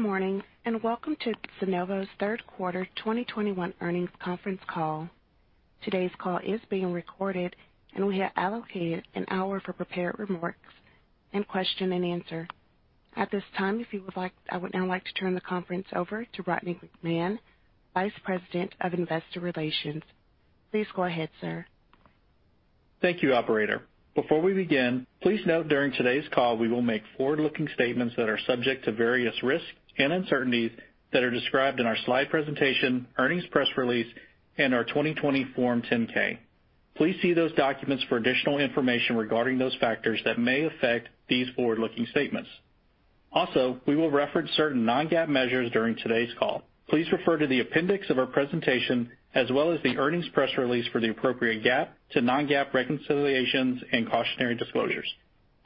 Good morning, and welcome to Sunnova's third quarter 2021 earnings conference call. Today's call is being recorded and we have allocated an hour for prepared remarks and question and answer. At this time, I would now like to turn the conference over to Rodney McMahan, Vice President of Investor Relations. Please go ahead, sir. Thank you, operator. Before we begin, please note during today's call, we will make forward-looking statements that are subject to various risks and uncertainties that are described in our slide presentation, earnings press release, and our 2020 Form 10-K. Please see those documents for additional information regarding those factors that may affect these forward-looking statements. Also, we will reference certain non-GAAP measures during today's call. Please refer to the appendix of our presentation as well as the earnings press release for the appropriate GAAP to non-GAAP reconciliations and cautionary disclosures.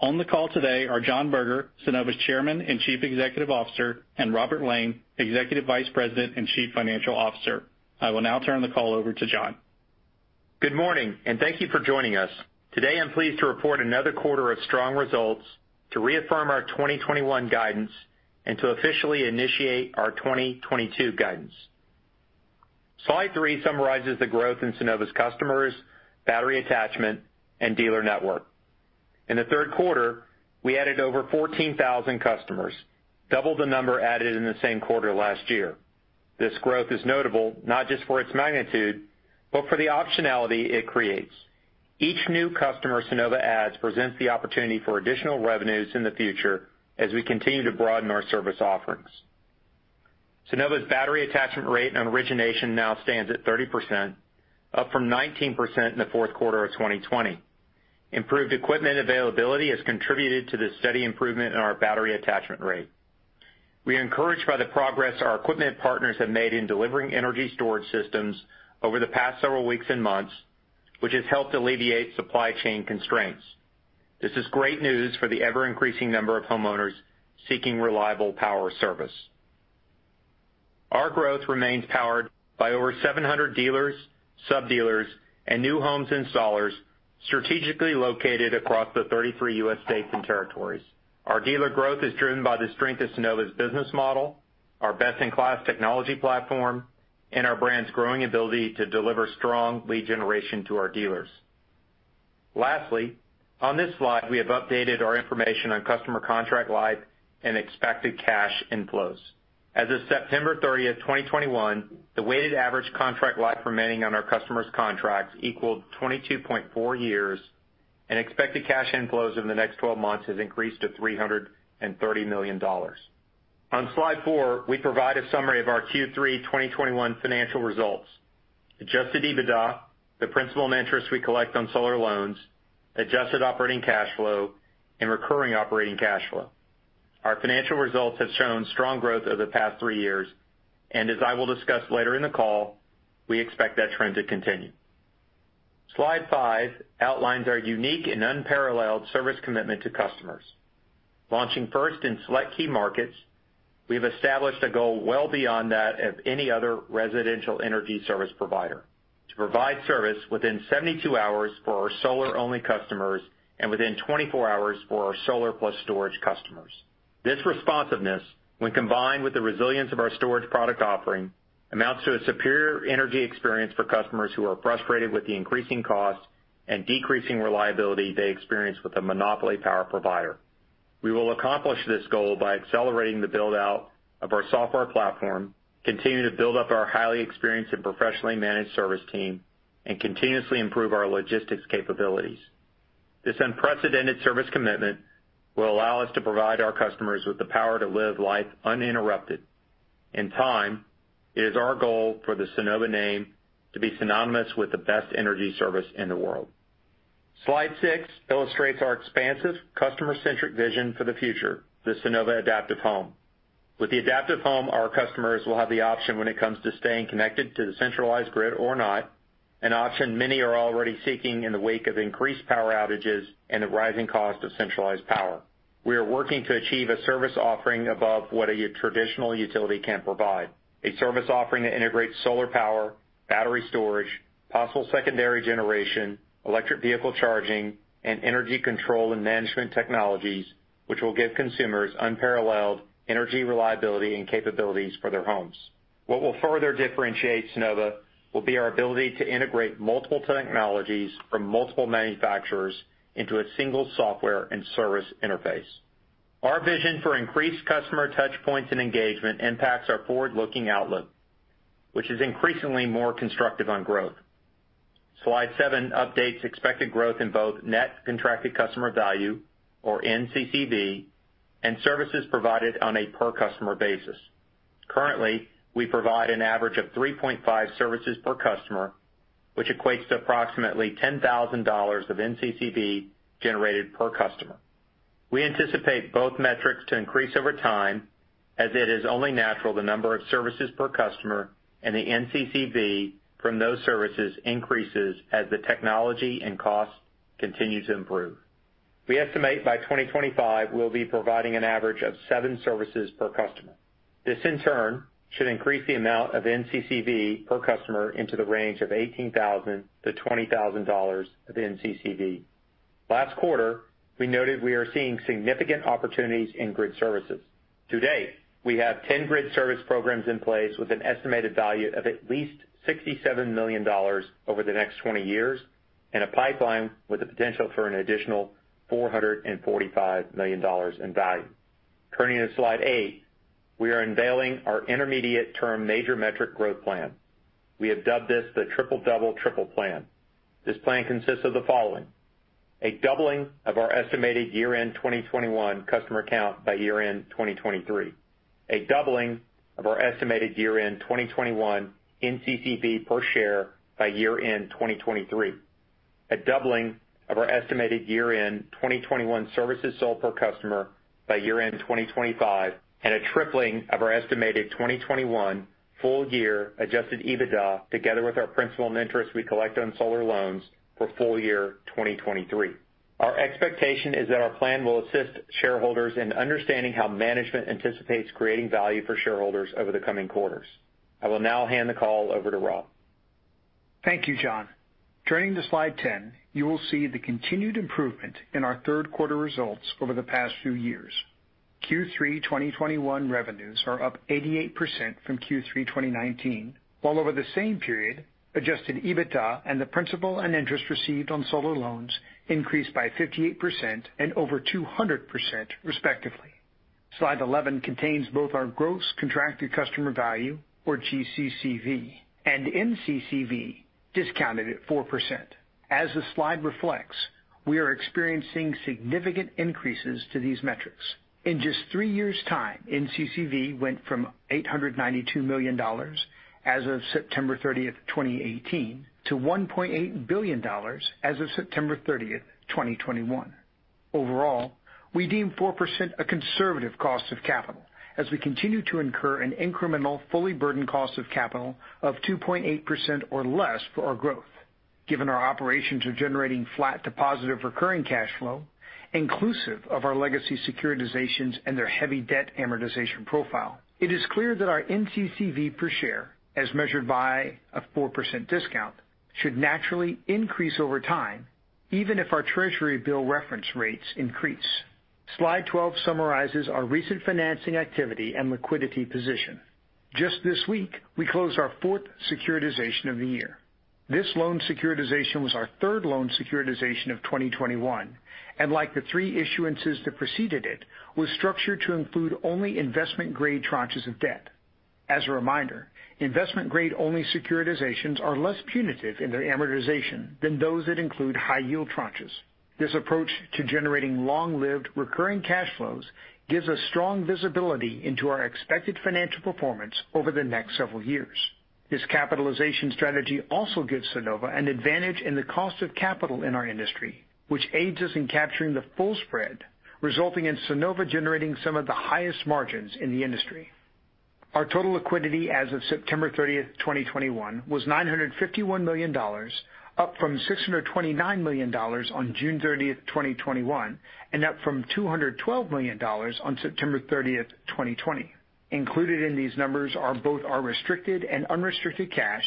On the call today are John Berger, Sunnova's Chairman and Chief Executive Officer, and Robert Lane, Executive Vice President and Chief Financial Officer. I will now turn the call over to John. Good morning, and thank you for joining us. Today, I'm pleased to report another quarter of strong results to reaffirm our 2021 guidance and to officially initiate our 2022 guidance. Slide three summarizes the growth in Sunnova's customers, battery attachment, and dealer network. In the third quarter, we added over 14,000 customers, double the number added in the same quarter last year. This growth is notable not just for its magnitude, but for the optionality it creates. Each new customer Sunnova adds presents the opportunity for additional revenues in the future as we continue to broaden our service offerings. Sunnova's battery attachment rate on origination now stands at 30%, up from 19% in the fourth quarter of 2020. Improved equipment availability has contributed to the steady improvement in our battery attachment rate. We are encouraged by the progress our equipment partners have made in delivering energy storage systems over the past several weeks and months, which has helped alleviate supply chain constraints. This is great news for the ever-increasing number of homeowners seeking reliable power service. Our growth remains powered by over 700 dealers, sub-dealers, and new homes installers strategically located across the 33 U.S. states and territories. Our dealer growth is driven by the strength of Sunnova's business model, our best-in-class technology platform, and our brand's growing ability to deliver strong lead generation to our dealers. Lastly, on this slide, we have updated our information on customer contract life and expected cash inflows. As of September 30, 2021, the weighted average contract life remaining on our customers' contracts equaled 22.4 years, and expected cash inflows in the next 12 months has increased to $330 million. On slide four, we provide a summary of our Q3 2021 financial results, Adjusted EBITDA, the principal and interest we collect on solar loans, adjusted operating cash flow, and recurring operating cash flow. Our financial results have shown strong growth over the past three years, and as I will discuss later in the call, we expect that trend to continue. Slide five outlines our unique and unparalleled service commitment to customers. Launching first in select key markets, we have established a goal well beyond that of any other residential energy service provider to provide service within 72 hours for our solar-only customers and within 24 hours for our solar plus storage customers. This responsiveness, when combined with the resilience of our storage product offering, amounts to a superior energy experience for customers who are frustrated with the increasing cost and decreasing reliability they experience with a monopoly power provider. We will accomplish this goal by accelerating the build-out of our software platform, continuing to build up our highly experienced and professionally managed service team, and continuously improve our logistics capabilities. This unprecedented service commitment will allow us to provide our customers with the power to live life uninterrupted. In time, it is our goal for the Sunnova name to be synonymous with the best energy service in the world. Slide 6 illustrates our expansive customer-centric vision for the future, the Sunnova Adaptive Home. With the Adaptive Home, our customers will have the option when it comes to staying connected to the centralized grid or not, an option many are already seeking in the wake of increased power outages and the rising cost of centralized power. We are working to achieve a service offering above what a traditional utility can provide. A service offering that integrates solar power, battery storage, possible secondary generation, electric vehicle charging, and energy control and management technologies, which will give consumers unparalleled energy reliability and capabilities for their homes. What will further differentiate Sunnova will be our ability to integrate multiple technologies from multiple manufacturers into a single software and service interface. Our vision for increased customer touch points and engagement impacts our forward-looking outlook, which is increasingly more constructive on growth. Slide seven updates expected growth in both net contracted customer value, or NCCV, and services provided on a per customer basis. Currently, we provide an average of 3.5 services per customer, which equates to approximately $10,000 of NCCV generated per customer. We anticipate both metrics to increase over time, as it is only natural the number of services per customer and the NCCV from those services increases as the technology and cost continue to improve. We estimate by 2025 we'll be providing an average of seven services per customer. This, in turn, should increase the amount of NCCV per customer into the range of $18,000-$20,000 of NCCV. Last quarter, we noted we are seeing significant opportunities in grid services. To date, we have 10 grid service programs in place with an estimated value of at least $67 million over the next 20 years and a pipeline with the potential for an additional $445 million in value. Turning to slide eight, we are unveiling our intermediate term major metric growth plan. We have dubbed this the Triple-Double Triple plan. This plan consists of the following, a doubling of our estimated year-end 2021 customer count by year-end 2023. A doubling of our estimated year-end 2021 NCCV per share by year-end 2023. A doubling of our estimated year-end 2021 services sold per customer by year-end 2025, and a tripling of our estimated 2021 full year adjusted EBITDA together with our principal and interest we collect on solar loans for full year 2023. Our expectation is that our plan will assist shareholders in understanding how management anticipates creating value for shareholders over the coming quarters. I will now hand the call over to Rob. Thank you, John. Turning to slide 10, you will see the continued improvement in our third quarter results over the past few years. Q3 2021 revenues are up 88% from Q3 2019, while over the same period, adjusted EBITDA and the principal and interest received on solar loans increased by 58% and over 200% respectively. Slide 11 contains both our gross contracted customer value, or GCCV, and NCCV discounted at 4%. As the slide reflects, we are experiencing significant increases to these metrics. In just three years' time, NCCV went from $892 million as of September 30th, 2018, to $1.8 billion as of September 30th, 2021. Overall, we deem 4% a conservative cost of capital as we continue to incur an incremental fully burdened cost of capital of 2.8% or less for our growth. Given our operations are generating flat to positive recurring cash flow, inclusive of our legacy securitizations and their heavy debt amortization profile. It is clear that our NCCV per share, as measured via 4% discount, should naturally increase over time even if our treasury bill reference rates increase. Slide 12 summarizes our recent financing activity and liquidity position. Just this week, we closed our fourth securitization of the year. This loan securitization was our third loan securitization of 2021, and like the three issuances that preceded it, was structured to include only investment-grade tranches of debt. As a reminder, investment-grade only securitizations are less punitive in their amortization than those that include high-yield tranches. This approach to generating long-lived recurring cash flows gives us strong visibility into our expected financial performance over the next several years. This capitalization strategy also gives Sunnova an advantage in the cost of capital in our industry, which aids us in capturing the full spread, resulting in Sunnova generating some of the highest margins in the industry. Our total liquidity as of September 30th, 2021, was $951 million, up from $629 million on June 30, 2021, and up from $212 million on September 30th, 2020. Included in these numbers are both our restricted and unrestricted cash,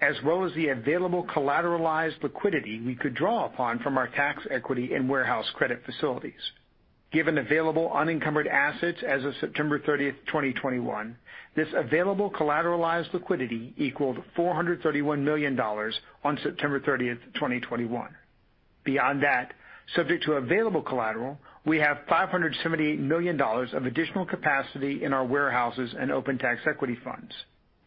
as well as the available collateralized liquidity we could draw upon from our tax equity and warehouse credit facilities. Given available unencumbered assets as of September 30, 2021, this available collateralized liquidity equaled $431 million on September 30, 2021. Beyond that, subject to available collateral, we have $578 million of additional capacity in our warehouses and open tax equity funds.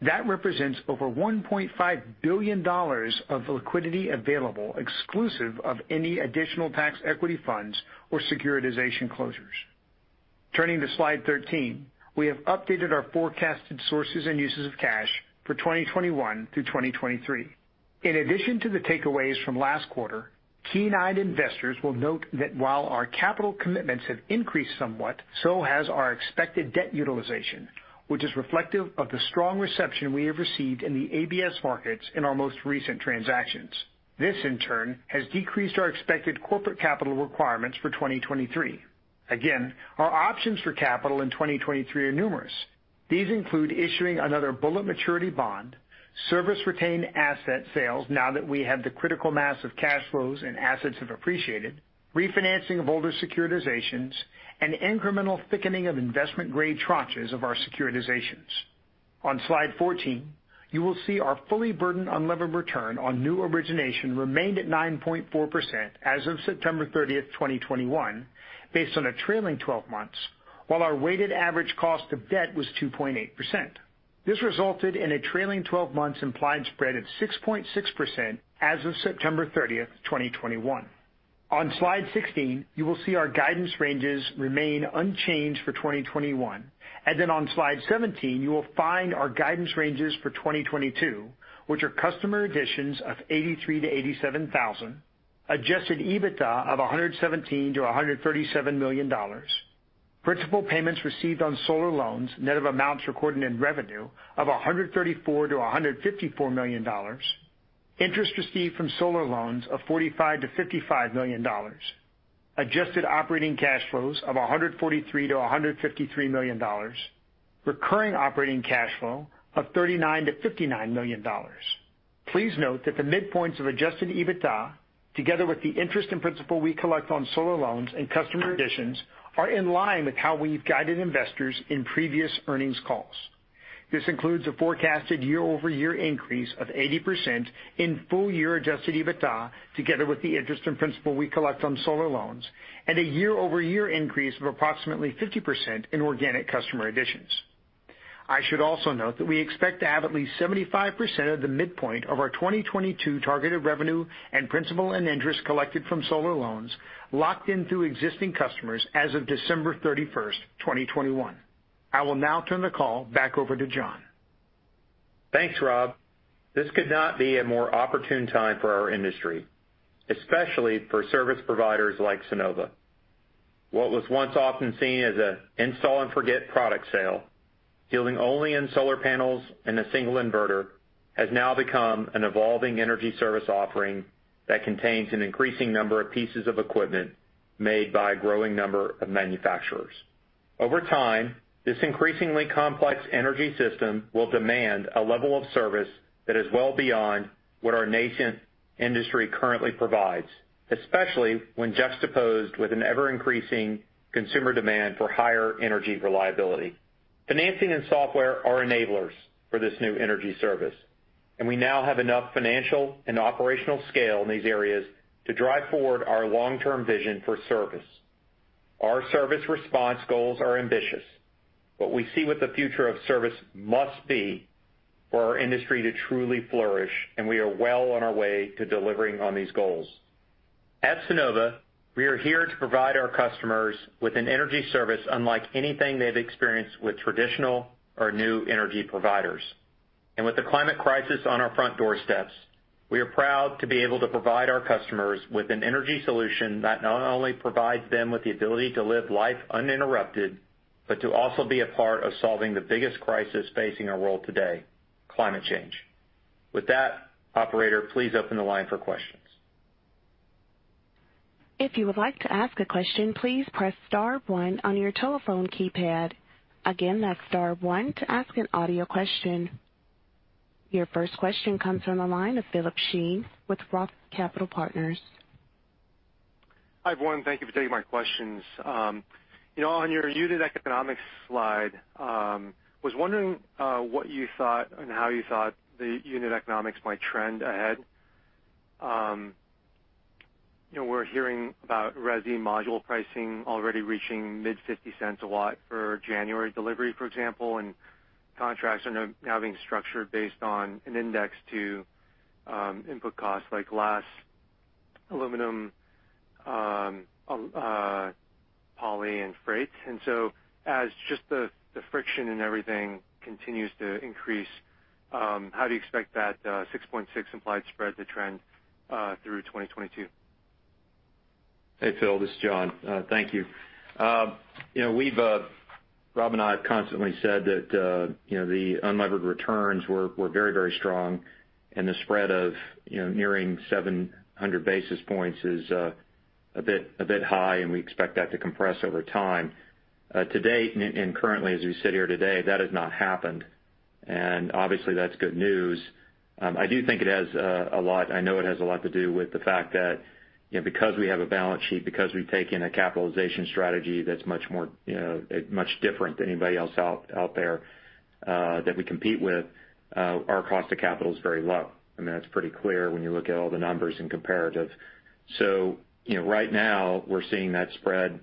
That represents over $1.5 billion of liquidity available, exclusive of any additional tax equity funds or securitization closures. Turning to slide 13, we have updated our forecasted sources and uses of cash for 2021 through 2023. In addition to the takeaways from last quarter, keen-eyed investors will note that while our capital commitments have increased somewhat, so has our expected debt utilization, which is reflective of the strong reception we have received in the ABS markets in our most recent transactions. This, in turn, has decreased our expected corporate capital requirements for 2023. Again, our options for capital in 2023 are numerous. These include issuing another bullet maturity bond, service retained asset sales now that we have the critical mass of cash flows and assets have appreciated, refinancing of older securitizations, and incremental thickening of investment-grade tranches of our securitizations. On slide 14, you will see our fully burdened unlevered return on new origination remained at 9.4% as of September 30th, 2021, based on a trailing twelve months, while our weighted average cost of debt was 2.8%. This resulted in a trailing twelve months implied spread at 6.6% as of September 30th, 2021. On slide 16, you will see our guidance ranges remain unchanged for 2021. On slide 17, you will find our guidance ranges for 2022, which are customer additions of 83,000-87,000. Adjusted EBITDA of $117 million-$137 million. Principal payments received on solar loans, net of amounts recorded in revenue of $134 million-$154 million. Interest received from solar loans of $45 million-$55 million. Adjusted operating cash flows of $143 million-$153 million. Recurring operating cash flow of $39 million-$59 million. Please note that the midpoints of Adjusted EBITDA, together with the interest and principal we collect on solar loans and customer additions, are in line with how we've guided investors in previous earnings calls. This includes a forecasted year-over-year increase of 80% in full year Adjusted EBITDA, together with the interest and principal we collect from solar loans and a year-over-year increase of approximately 50% in organic customer additions. I should also note that we expect to have at least 75% of the midpoint of our 2022 targeted revenue and principal and interest collected from solar loans locked in through existing customers as of December 31st, 2021. I will now turn the call back over to John. Thanks, Rob. This could not be a more opportune time for our industry, especially for service providers like Sunnova. What was once often seen as an install and forget product sale, dealing only in solar panels and a single inverter, has now become an evolving energy service offering that contains an increasing number of pieces of equipment made by a growing number of manufacturers. Over time, this increasingly complex energy system will demand a level of service that is well beyond what our nascent industry currently provides, especially when juxtaposed with an ever-increasing consumer demand for higher energy reliability. Financing and software are enablers for this new energy service, and we now have enough financial and operational scale in these areas to drive forward our long-term vision for service. Our service response goals are ambitious, but we see what the future of service must be for our industry to truly flourish, and we are well on our way to delivering on these goals. At Sunnova, we are here to provide our customers with an energy service unlike anything they've experienced with traditional or new energy providers. With the climate crisis on our front doorsteps, we are proud to be able to provide our customers with an energy solution that not only provides them with the ability to live life uninterrupted, but to also be a part of solving the biggest crisis facing our world today, climate change. With that, operator, please open the line for questions. If you would like to ask a question, please press star one on your telephone keypad. Again, that's star one to ask an audio question. Your first question comes from the line of Philip Shen with Roth Capital Partners. Hi, everyone. Thank you for taking my questions. You know, on your unit economics slide, was wondering what you thought and how you thought the unit economics might trend ahead. You know, we're hearing about resi module pricing already reaching mid-$0.50/W for January delivery, for example, and contracts are now being structured based on an index to input costs like glass, aluminum, poly and freight. As just the friction in everything continues to increase, how do you expect that 6.6 implied spread to trend through 2022? Hey, Phil, this is John. Thank you. You know, we've, Rob and I have constantly said that, you know, the unlevered returns were very, very strong and the spread of, you know, nearing 700 basis points is a bit high, and we expect that to compress over time. To date and currently as we sit here today, that has not happened. Obviously that's good news. I do think it has a lot—I know it has a lot to do with the fact that, you know, because we have a balance sheet, because we've taken a capitalization strategy that's much more, you know, much different than anybody else out there that we compete with, our cost of capital is very low. I mean, that's pretty clear when you look at all the numbers in comparative. You know, right now we're seeing that spread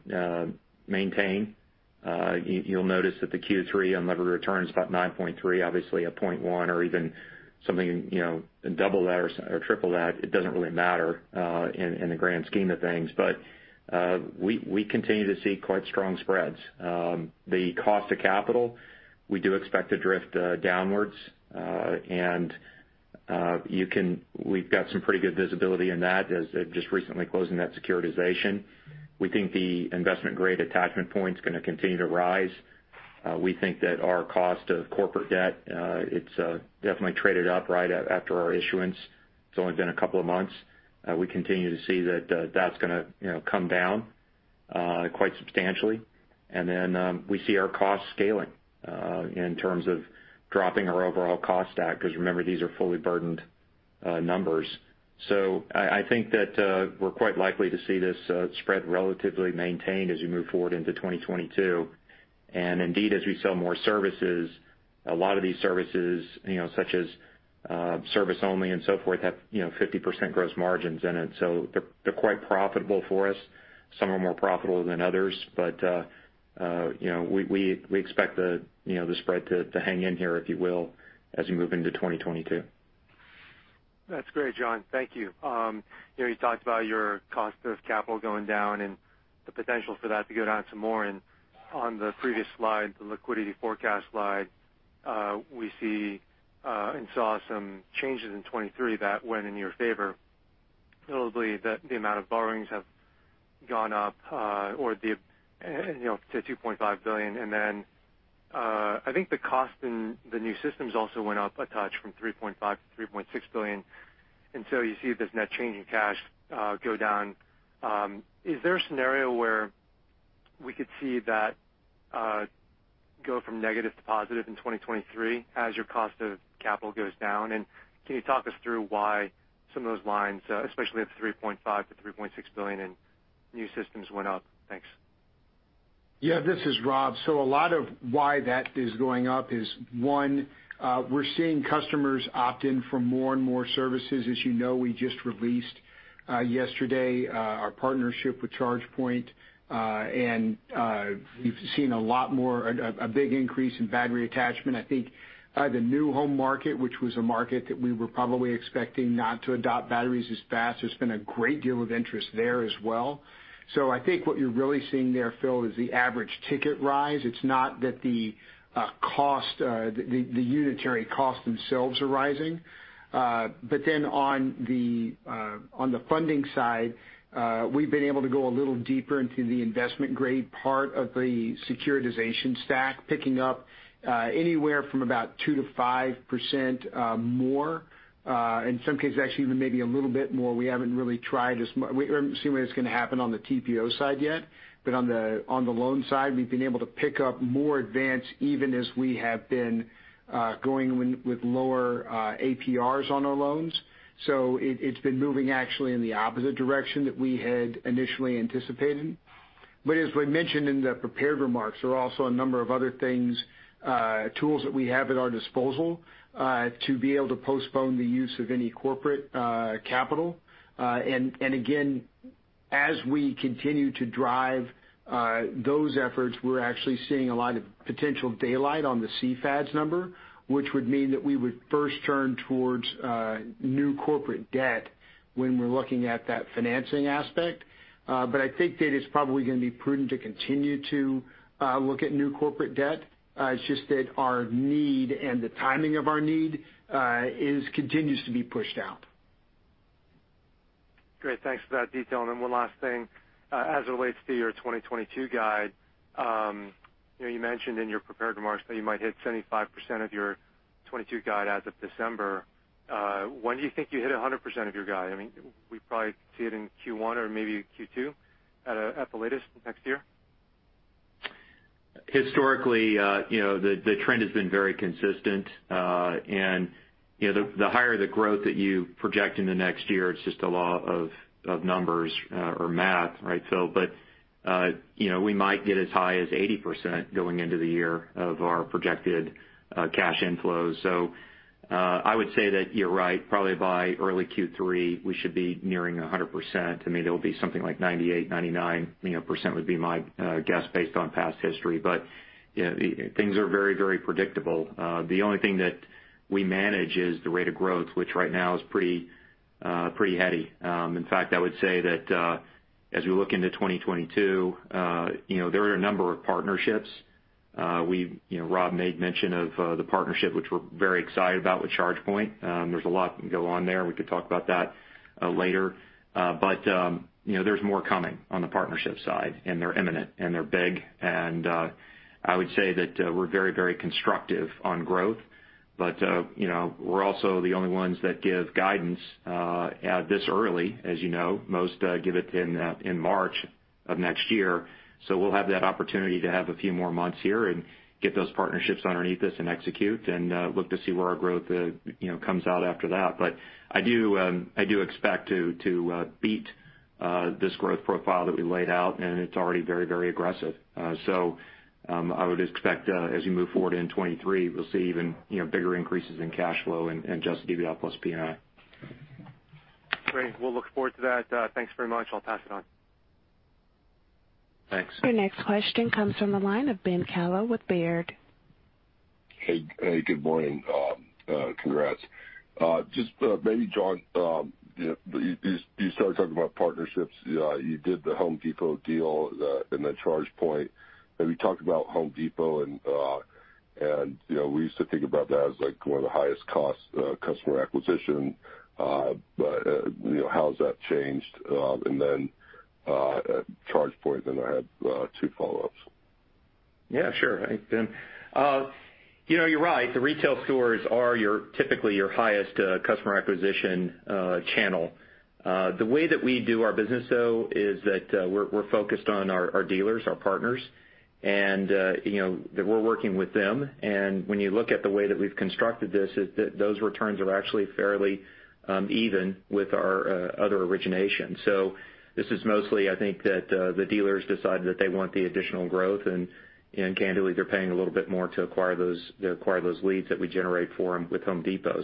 maintain. You'll notice that the Q3 unlevered return is about 9.3, obviously 0.1 or even something, you know, double that or triple that. It doesn't really matter in the grand scheme of things. We continue to see quite strong spreads. The cost of capital, we do expect to drift downwards, and we've got some pretty good visibility in that as just recently closing that securitization. We think the investment grade attachment point is gonna continue to rise. We think that our cost of corporate debt, it's definitely traded up right after our issuance. It's only been a couple of months. We continue to see that that's gonna, you know, come down quite substantially. Then we see our cost scaling in terms of dropping our overall cost stack, because remember, these are fully burdened numbers. I think that we're quite likely to see this spread relatively maintained as we move forward into 2022. Indeed, as we sell more services, a lot of these services, you know, such as service only and so forth, have, you know, 50% gross margins in it. They're quite profitable for us. Some are more profitable than others, but you know, we expect the spread to hang in here, if you will, as we move into 2022. That's great, John. Thank you. You know, you talked about your cost of capital going down and the potential for that to go down some more. On the previous slide, the liquidity forecast slide, we see and saw some changes in 2023 that went in your favor. Notably, the amount of borrowings have gone up, or, you know, to $2.5 billion. I think the cost in the new systems also went up a touch from $3.5 billion to $3.6 billion. You see this net change in cash go down. Is there a scenario where we could see that go from negative to positive in 2023 as your cost of capital goes down? Can you talk us through why some of those lines, especially at $3.5 billion-$3.6 billion in new systems went up? Thanks. This is Rob. A lot of why that is going up is, one, we're seeing customers opt in for more and more services. As you know, we just released yesterday our partnership with ChargePoint, and we've seen a lot more, a big increase in battery attachment. I think the new home market, which was a market that we were probably expecting not to adopt batteries as fast, there's been a great deal of interest there as well. I think what you're really seeing there, Phil, is the average ticket rise. It's not that the cost, the unit costs themselves are rising. On the funding side, we've been able to go a little deeper into the investment-grade part of the securitization stack, picking up anywhere from about 2%-5% more, in some cases, actually even maybe a little bit more. We haven't really seen when it's gonna happen on the TPO side yet. On the loan side, we've been able to pick up more advance, even as we have been going with lower APRs on our loans. It's been moving actually in the opposite direction that we had initially anticipated. As we mentioned in the prepared remarks, there are also a number of other things, tools that we have at our disposal, to be able to postpone the use of any corporate capital. Again, as we continue to drive those efforts, we're actually seeing a lot of potential daylight on the CFADS number, which would mean that we would first turn towards new corporate debt when we're looking at that financing aspect. I think that it's probably gonna be prudent to continue to look at new corporate debt. It's just that our need and the timing of our need continues to be pushed out. Great. Thanks for that detail. Then one last thing. As it relates to your 2022 guide, you know, you mentioned in your prepared remarks that you might hit 75% of your 2022 guide as of December. When do you think you hit 100% of your guide? I mean, we probably see it in Q1 or maybe Q2 at the latest next year. Historically, you know, the trend has been very consistent. You know, the higher the growth that you project in the next year, it's just a law of numbers or math, right? You know, we might get as high as 80% going into the year of our projected cash inflows. I would say that you're right. Probably by early Q3, we should be nearing 100%. I mean, it'll be something like 98, 99, you know, % would be my guess based on past history. You know, things are very predictable. The only thing that we manage is the rate of growth, which right now is pretty heady. In fact, I would say that, as we look into 2022, you know, there are a number of partnerships. You know, Rob made mention of the partnership, which we're very excited about with ChargePoint. There's a lot that can go on there. We could talk about that later. You know, there's more coming on the partnership side, and they're imminent, and they're big. I would say that, we're very, very constructive on growth. You know, we're also the only ones that give guidance this early. As you know, most give it in March of next year. We'll have that opportunity to have a few more months here and get those partnerships underneath us and execute and look to see where our growth you know comes out after that. I do expect to beat this growth profile that we laid out, and it's already very very aggressive. I would expect as we move forward in 2023, we'll see even you know bigger increases in cash flow and just EBITDA plus P&I. Great. We'll look forward to that. Thanks very much. I'll pass it on. Thanks. Your next question comes from the line of Ben Kallo with Baird. Hey, good morning. Congrats. Just maybe John, you started talking about partnerships. You did the Home Depot deal and the ChargePoint. Maybe talk about Home Depot and, you know, we used to think about that as like one of the highest cost customer acquisition. You know, how has that changed? ChargePoint, then I have two follow-ups. Yeah, sure. Thanks, Ben. You know, you're right. The retail stores are typically your highest customer acquisition channel. The way that we do our business, though, is that we're focused on our dealers, our partners, and you know, that we're working with them. When you look at the way that we've constructed this, is that those returns are actually fairly even with our other origination. This is mostly, I think that the dealers decide that they want the additional growth, and candidly, they're paying a little bit more to acquire those leads that we generate for them with Home Depot.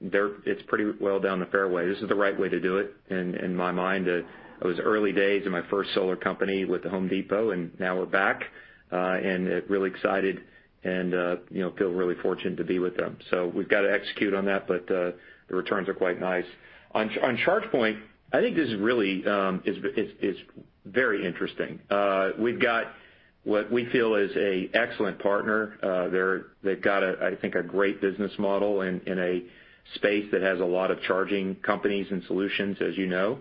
They're, it's pretty well down the fairway. This is the right way to do it. In my mind, it was early days in my first solar company with the Home Depot, and now we're back, and really excited and you know feel really fortunate to be with them. So we've got to execute on that. The returns are quite nice. On ChargePoint, I think this really is very interesting. We've got what we feel is an excellent partner. They've got, I think, a great business model in a space that has a lot of charging companies and solutions, as you know.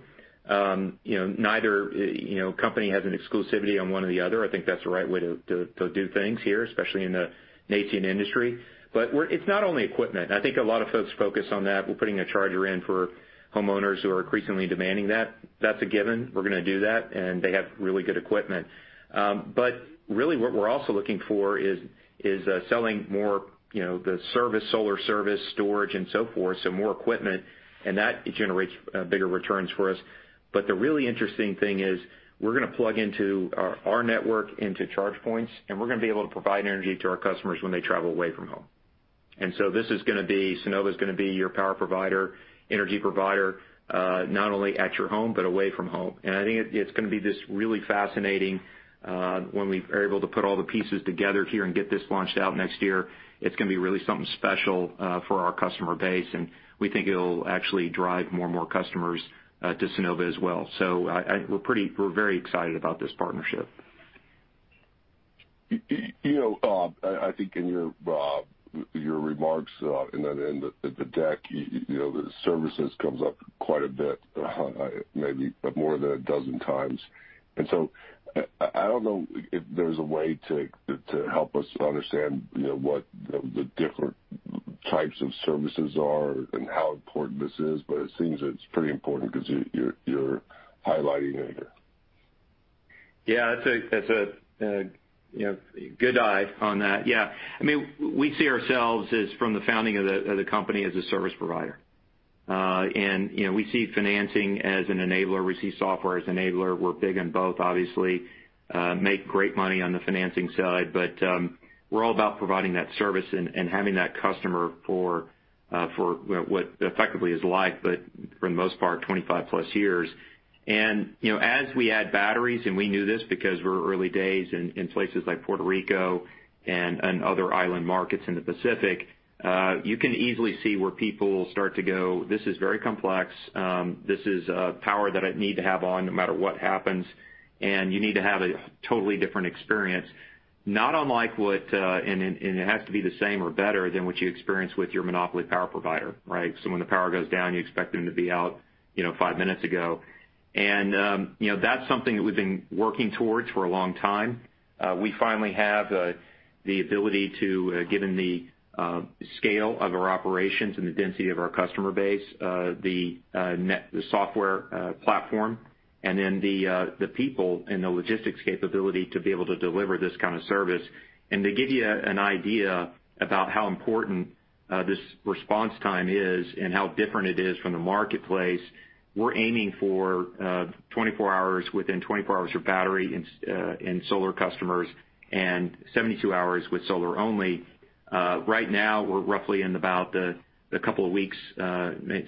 You know, neither company has an exclusivity on one or the other. I think that's the right way to do things here, especially in a nascent industry. It's not only equipment. I think a lot of folks focus on that. We're putting a charger in for homeowners who are increasingly demanding that. That's a given. We're gonna do that, and they have really good equipment. But really what we're also looking for is selling more, you know, the service, solar service, storage and so forth, so more equipment, and that generates bigger returns for us. But the really interesting thing is we're gonna plug into our network into ChargePoint, and we're gonna be able to provide energy to our customers when they travel away from home. This is gonna be. Sunnova is gonna be your power provider, energy provider, not only at your home, but away from home. I think it's gonna be this really fascinating when we are able to put all the pieces together here and get this launched out next year. It's gonna be really something special for our customer base, and we think it'll actually drive more and more customers to Sunnova as well. We're very excited about this partnership. You know, I think in your remarks, and then in the deck, you know, the services comes up quite a bit, maybe more than a dozen times. I don't know if there's a way to help us understand, you know, what the different types of services are and how important this is, but it seems it's pretty important because you're highlighting it here. Yeah, that's a good eye on that. Yeah. I mean, we see ourselves as from the founding of the company as a service provider. You know, we see financing as an enabler. We see software as an enabler. We're big in both, obviously. Make great money on the financing side, but we're all about providing that service and having that customer for what effectively is life, but for the most part, 25+ years. You know, as we add batteries, and we knew this because we're early days in places like Puerto Rico and other island markets in the Pacific, you can easily see where people start to go, "This is very complex. This is power that I need to have on no matter what happens." You need to have a totally different experience, it has to be the same or better than what you experience with your monopoly power provider, right? When the power goes down, you expect them to be out, you know, five minutes ago. You know, that's something that we've been working towards for a long time. We finally have the ability, given the scale of our operations and the density of our customer base, the software platform, and then the people and the logistics capability to be able to deliver this kind of service. To give you an idea about how important this response time is and how different it is from the marketplace, we're aiming for 24 hours, within 24 hours for battery and solar customers and 72 hours with solar only. Right now we're roughly in about a couple of weeks,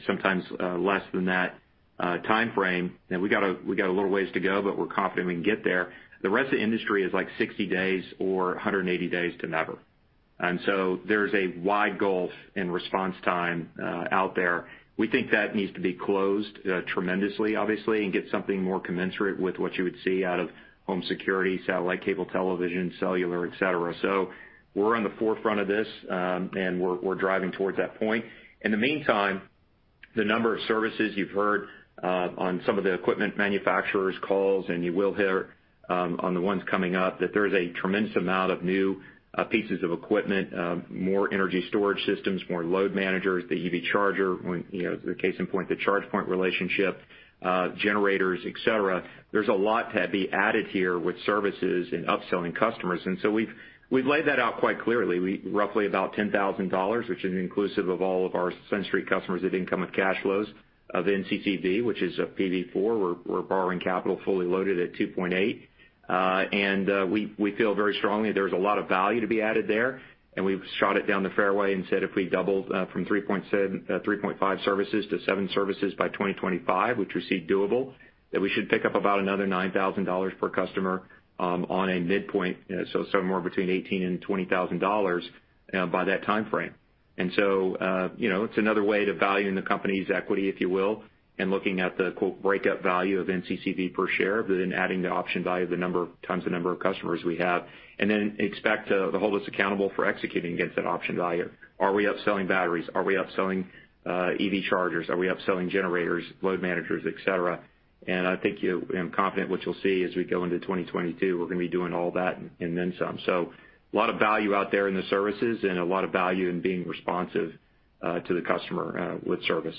sometimes less than that timeframe. We got a little ways to go, but we're confident we can get there. The rest of the industry is like 60 days or 180 days to never. There's a wide gulf in response time out there. We think that needs to be closed tremendously, obviously, and get something more commensurate with what you would see out of home security, satellite cable television, cellular, et cetera. We're on the forefront of this, and we're driving towards that point. In the meantime, the number of services you've heard on some of the equipment manufacturers calls, and you will hear on the ones coming up that there is a tremendous amount of new pieces of equipment, more energy storage systems, more load managers, the EV charger, you know, the case in point, the ChargePoint relationship, generators, et cetera. There's a lot to be added here with services and upselling customers. We've laid that out quite clearly. Roughly about $10,000, which is inclusive of all of our SunStreet customers that didn't come with cash flows of NCCV, which is a PD4. We're borrowing capital fully loaded at 2.8. We feel very strongly there's a lot of value to be added there, and we've shot it down the fairway and said, if we doubled from 3.5 services -7 services by 2025, which we see doable, that we should pick up about another $9,000 per customer on a midpoint. So somewhere between $18,000 and $20,000 by that timeframe. You know, it's another way to value the company's equity, if you will, and looking at the quote, breakup value of NCCV per share, but then adding the option value times the number of customers we have, and then expect to hold us accountable for executing against that option value. Are we upselling batteries? Are we upselling EV chargers? Are we upselling generators, load managers, et cetera? I think I'm confident what you'll see as we go into 2022, we're gonna be doing all that and then some. A lot of value out there in the services and a lot of value in being responsive to the customer with service.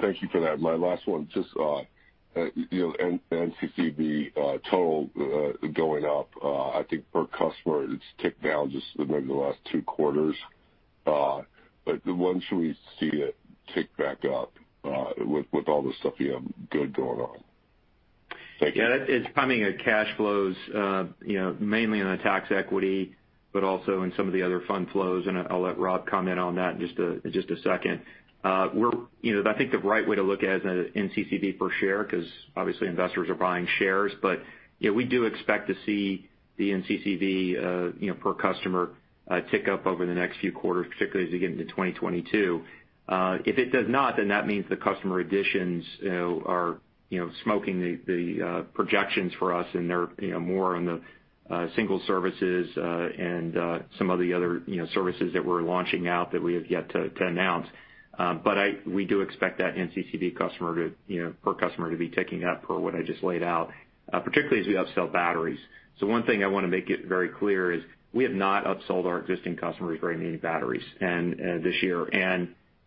Thank you for that. My last one, just, you know, NCCV total going up. I think per customer, it's ticked down just maybe the last two quarters. When should we see it tick back up with all the stuff you have good going on? Yeah, it's coming at cash flows, you know, mainly in the tax equity, but also in some of the other fund flows. I'll let Rob comment on that in just a second. We're, you know, I think the right way to look at it is NCCV per share because obviously investors are buying shares. You know, we do expect to see the NCCV, you know, per customer, tick up over the next few quarters, particularly as we get into 2022. If it does not, then that means the customer additions, you know, are, you know, smoking the projections for us and they're, you know, more on the single services, and some of the other, you know, services that we're launching that we have yet to announce. We do expect that NCCV customer to, you know, per customer to be ticking up per what I just laid out, particularly as we upsell batteries. One thing I want to make it very clear is we have not upsold our existing customers very many batteries and this year.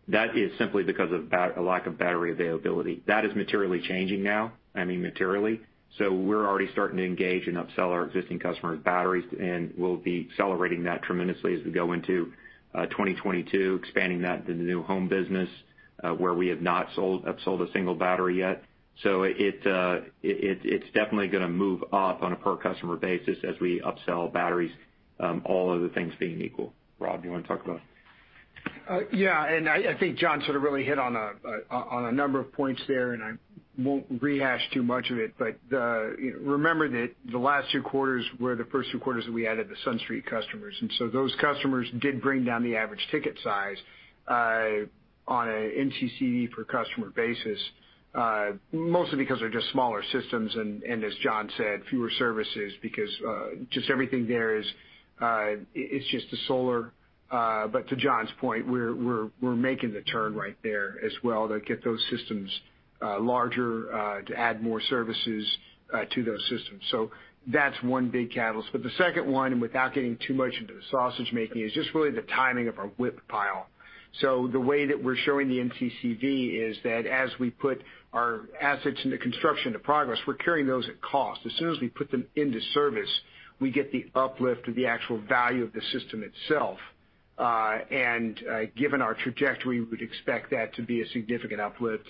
That is simply because of a lack of battery availability. That is materially changing now, I mean, materially. We're already starting to engage and upsell our existing customers batteries, and we'll be accelerating that tremendously as we go into 2022, expanding that to the new home business, where we have not upsold a single battery yet. It's definitely gonna move up on a per customer basis as we upsell batteries, all other things being equal. Rob, do you want to talk about it? I think John sort of really hit on a number of points there, and I won't rehash too much of it. You know, remember that the last two quarters were the first two quarters that we added the SunStreet customers. Those customers did bring down the average ticket size on a NCCV per customer basis, mostly because they're just smaller systems and as John said, fewer services because just everything there is, it's just the solar. To John's point, we're making the turn right there as well to get those systems larger, to add more services to those systems. So that's one big catalyst. The second one, and without getting too much into the sausage making, is just really the timing of our WIP pile. The way that we're showing the NCCV is that as we put our assets into construction to progress, we're carrying those at cost. As soon as we put them into service, we get the uplift of the actual value of the system itself. Given our trajectory, we'd expect that to be a significant uplift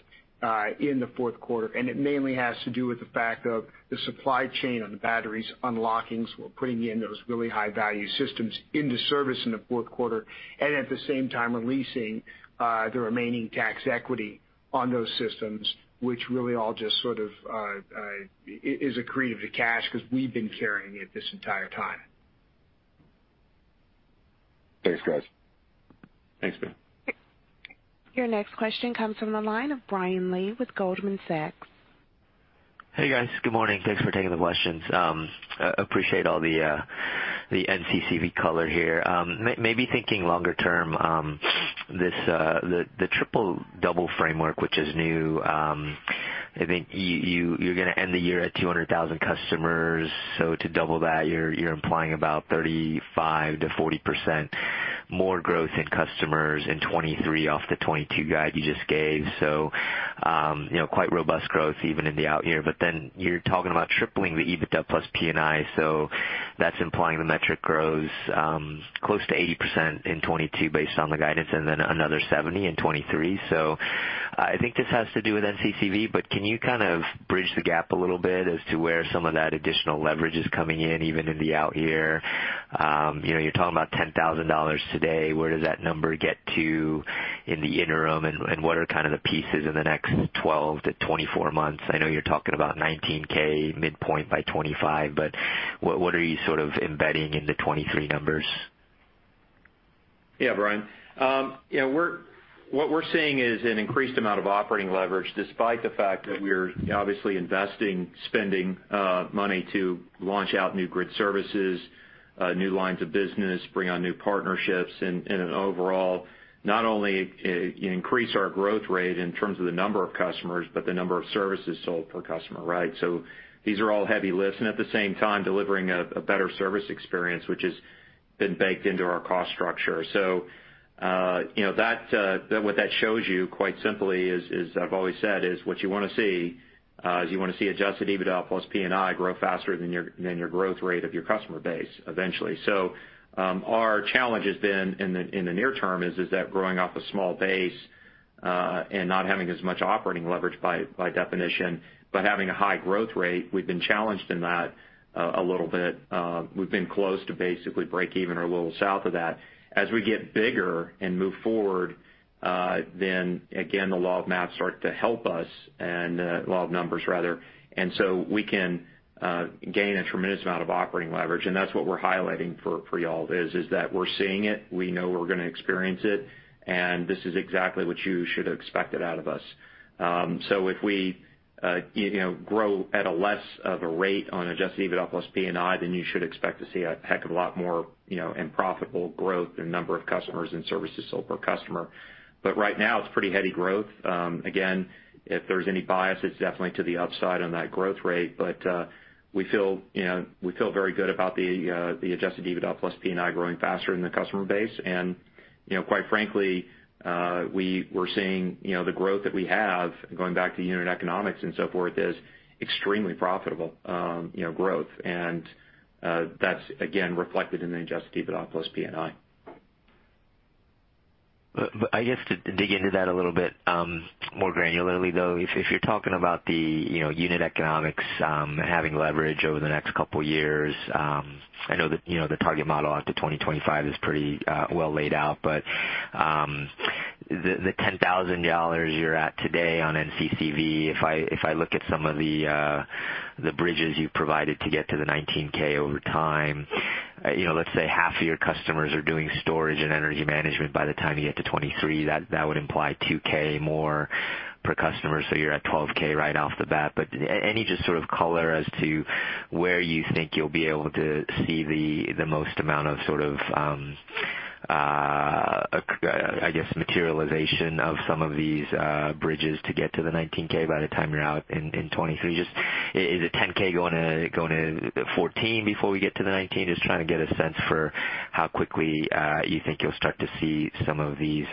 in the fourth quarter. It mainly has to do with the fact of the supply chain on the batteries unlocking, so we're putting in those really high value systems into service in the fourth quarter. At the same time releasing the remaining tax equity on those systems, which really all just sort of is accretive to cash because we've been carrying it this entire time. Thanks, guys. Thanks, Ben. Your next question comes from the line of Brian Lee with Goldman Sachs. Hey, guys. Good morning. Thanks for taking the questions. I appreciate all the NCCV color here. Maybe thinking longer term, the triple double framework, which is new, I think you're gonna end the year at 200,000 customers. To double that, you're implying about 35%-40% more growth in customers in 2023 off the 2022 guide you just gave. You know, quite robust growth even in the out year. You're talking about tripling the EBITDA plus P&I. That's implying the metric grows close to 80% in 2022 based on the guidance, and then another 70% in 2023. I think this has to do with NCCV, but can you kind of bridge the gap a little bit as to where some of that additional leverage is coming in, even in the out year? You know, you're talking about $10,000 today. Where does that number get to in the interim? And what are kind of the pieces in the next 12-24 months? I know you're talking about 19K midpoint by 2025, but what are you sort of embedding in the 2023 numbers? Yeah, Brian. You know, what we're seeing is an increased amount of operating leverage despite the fact that we're obviously investing, spending money to launch our new grid services, new lines of business, bring on new partnerships and an overall not only increase our growth rate in terms of the number of customers, but the number of services sold per customer, right? These are all heavy lifts, and at the same time delivering a better service experience, which has been baked into our cost structure. You know, what that shows you quite simply is, as I've always said, what you want to see is you want to see adjusted EBITDA plus P&I grow faster than your growth rate of your customer base eventually. Our challenge has been in the near term is that growing off a small base and not having as much operating leverage by definition, but having a high growth rate, we've been challenged in that a little bit. We've been close to basically breakeven or a little south of that. As we get bigger and move forward, then again, the law of large numbers starts to help us. We can gain a tremendous amount of operating leverage. That's what we're highlighting for y'all is that we're seeing it, we know we're gonna experience it, and this is exactly what you should have expected out of us. If we, you know, grow at a less of a rate on adjusted EBITDA plus P&I, then you should expect to see a heck of a lot more, you know, in profitable growth and number of customers and services sold per customer. Right now, it's pretty heady growth. Again, if there's any bias, it's definitely to the upside on that growth rate. We feel, you know, very good about the adjusted EBITDA plus P&I growing faster than the customer base. Quite frankly, we're seeing, you know, the growth that we have going back to unit economics and so forth is extremely profitable, you know, growth. That's again reflected in the adjusted EBITDA plus P&I. I guess to dig into that a little bit more granularly, though, if you're talking about the, you know, unit economics having leverage over the next couple years, I know that, you know, the target model out to 2025 is pretty well laid out, but the $10,000 you're at today on NCCV, if I look at some of the bridges you've provided to get to the $19,000 over time, you know, let's say half of your customers are doing storage and energy management by the time you get to 2023, that would imply $2,000 more per customer, so you're at $12,000 right off the bat. Any just sort of color as to where you think you'll be able to see the most amount of sort of, I guess, materialization of some of these bridges to get to the 19K by the time you're out in 2023? Just is it 10K going to 14K before we get to the 19K? Just trying to get a sense for how quickly you think you'll start to see some of these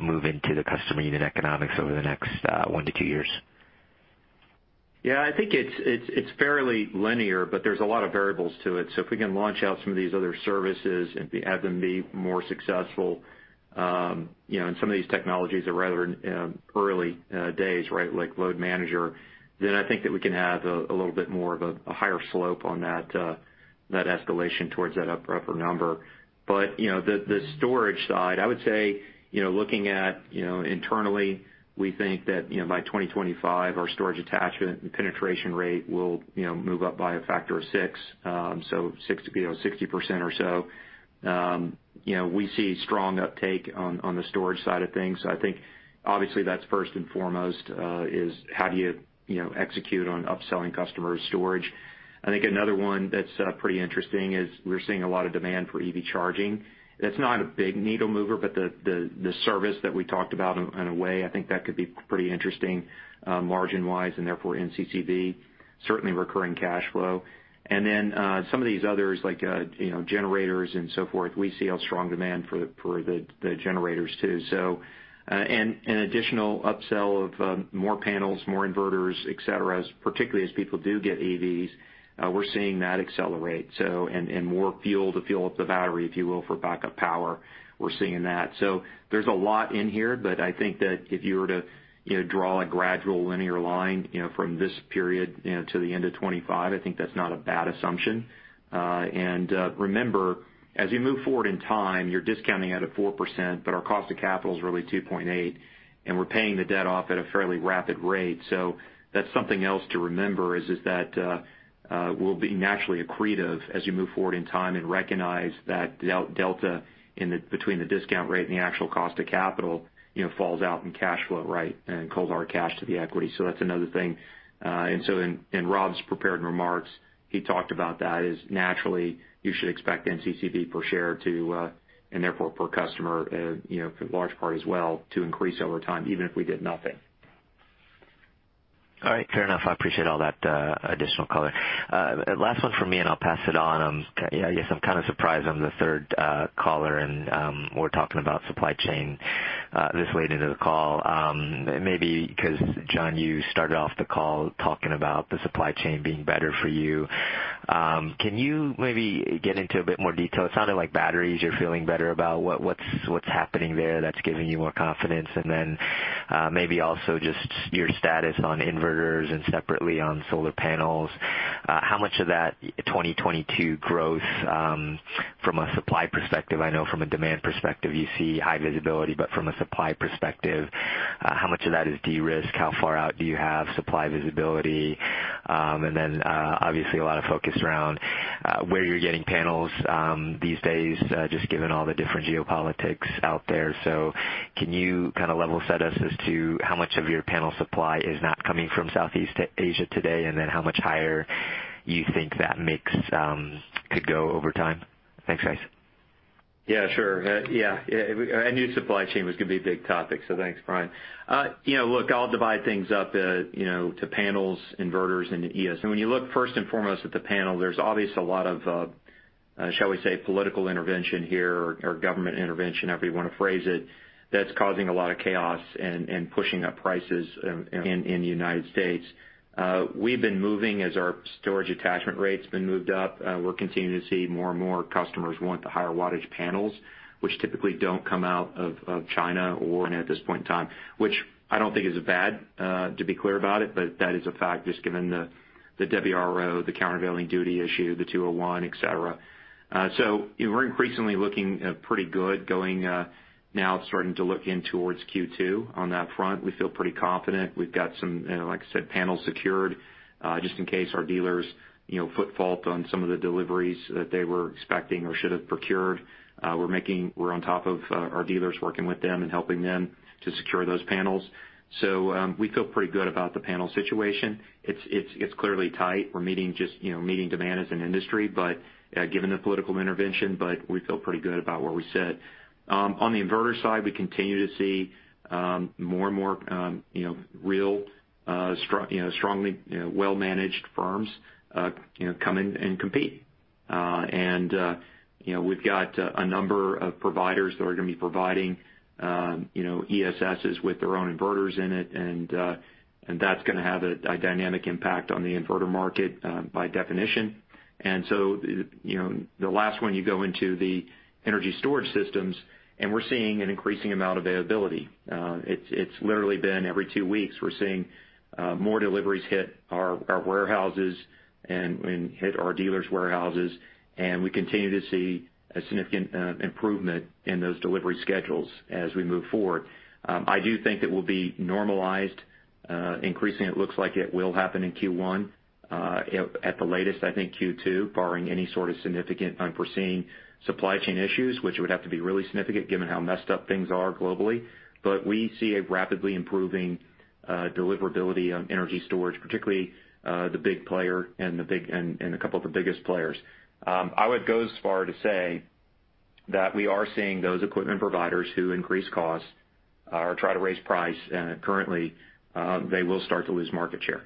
move into the customer unit economics over the next 1-2 years. Yeah, I think it's fairly linear, but there's a lot of variables to it. If we can launch out some of these other services and have them be more successful, you know, and some of these technologies are rather early days, right? Like Load Manager, then I think that we can have a little bit more of a higher slope on that escalation towards that upper number. The storage side, I would say, you know, looking at internally, we think that by 2025, our storage attachment and penetration rate will move up by a factor of 6, so 6, 60% or so. You know, we see strong uptake on the storage side of things. I think obviously that's first and foremost is how do you know, execute on upselling customers storage. I think another one that's pretty interesting is we're seeing a lot of demand for EV charging. That's not a big needle mover, but the service that we talked about in a way, I think that could be pretty interesting margin wise, and therefore NCCV, certainly recurring cash flow. Some of these others like generators and so forth, we see strong demand for the generators too. Additional upsell of more panels, more inverters, et cetera, particularly as people do get EVs, we're seeing that accelerate. More fuel to fuel up the battery, if you will, for backup power, we're seeing that. There's a lot in here, but I think that if you were to, you know, draw a gradual linear line, you know, from this period, you know, to the end of 2025, I think that's not a bad assumption. Remember, as you move forward in time, you're discounting out at 4%, but our cost of capital is really 2.8%, and we're paying the debt off at a fairly rapid rate. That's something else to remember that we'll be naturally accretive as you move forward in time and recognize that delta between the discount rate and the actual cost of capital, you know, falls out in cash flow, right? And that's our cash to the equity. That's another thing. In Rob's prepared remarks, he talked about that is naturally you should expect NCCV per share to and therefore per customer, you know, for large part as well, to increase over time even if we did nothing. All right, fair enough. I appreciate all that additional color. Last one for me, and I'll pass it on. Yeah, I guess I'm kind of surprised I'm the third caller and we're talking about supply chain this late into the call. Maybe 'cause John, you started off the call talking about the supply chain being better for you. Can you maybe get into a bit more detail? It sounded like batteries you're feeling better about. What's happening there that's giving you more confidence? And then, maybe also just your status on inverters and separately on solar panels. How much of that 2022 growth, from a supply perspective, I know from a demand perspective, you see high visibility, but from a supply perspective, how much of that is de-risked? How far out do you have supply visibility? Obviously a lot of focus around where you're getting panels, these days, just given all the different geopolitics out there. Can you kind of level set us as to how much of your panel supply is not coming from Southeast Asia today? And then how much higher you think that mix could go over time? Thanks, guys. Yeah, sure. I knew supply chain was gonna be a big topic, so thanks, Brian. Look, I'll divide things up to panels, inverters, and ES. When you look first and foremost at the panel, there's obviously a lot of, shall we say, political intervention here or government intervention, however you wanna phrase it. That's causing a lot of chaos and pushing up prices in the United States. We've been moving as our storage attachment rates have been moving up. We're continuing to see more and more customers want the higher wattage panels, which typically don't come out of China or at this point in time, which I don't think is bad, to be clear about it, but that is a fact just given the WRO, the countervailing duty issue, the 201, et cetera. We're increasingly looking pretty good going now starting to look in towards Q2 on that front. We feel pretty confident. We've got some, you know, like I said, panels secured, just in case our dealers, you know, foot fault on some of the deliveries that they were expecting or should have procured. We're on top of our dealers, working with them and helping them to secure those panels. We feel pretty good about the panel situation. It's clearly tight. We're meeting demand as an industry, but given the political intervention, we feel pretty good about where we sit. On the inverter side, we continue to see more and more, you know, really strongly, you know, well-managed firms, you know, come in and compete. We've got a number of providers that are gonna be providing ESSs with their own inverters in it, and that's gonna have a dynamic impact on the inverter market by definition. You know, the last one you go into the energy storage systems, and we're seeing an increasing amount of availability. It's literally been every two weeks we're seeing more deliveries hit our warehouses and hit our dealers' warehouses, and we continue to see a significant improvement in those delivery schedules as we move forward. I do think it will be normalizing. It looks like it will happen in Q1. At the latest, I think Q2, barring any sort of significant unforeseen supply chain issues, which would have to be really significant given how messed up things are globally. We see a rapidly improving deliverability on energy storage, particularly the big player and a couple of the biggest players. I would go as far to say that we are seeing those equipment providers who increase costs or try to raise price, and currently they will start to lose market share.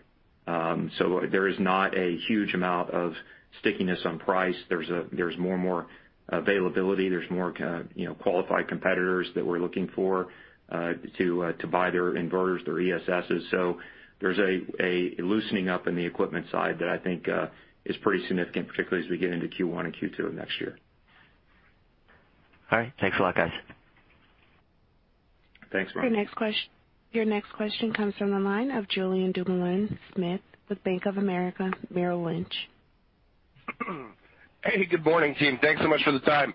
There is not a huge amount of stickiness on price. There's more and more availability. There's more you know, qualified competitors that we're looking for to buy their inverters, their ESSs. There's a loosening up in the equipment side that I think is pretty significant, particularly as we get into Q1 and Q2 of next year. All right. Thanks a lot, guys. Thanks, Brian. Your next question comes from the line of Julien Dumoulin-Smith with Bank of America Merrill Lynch. Hey, good morning, team. Thanks so much for the time.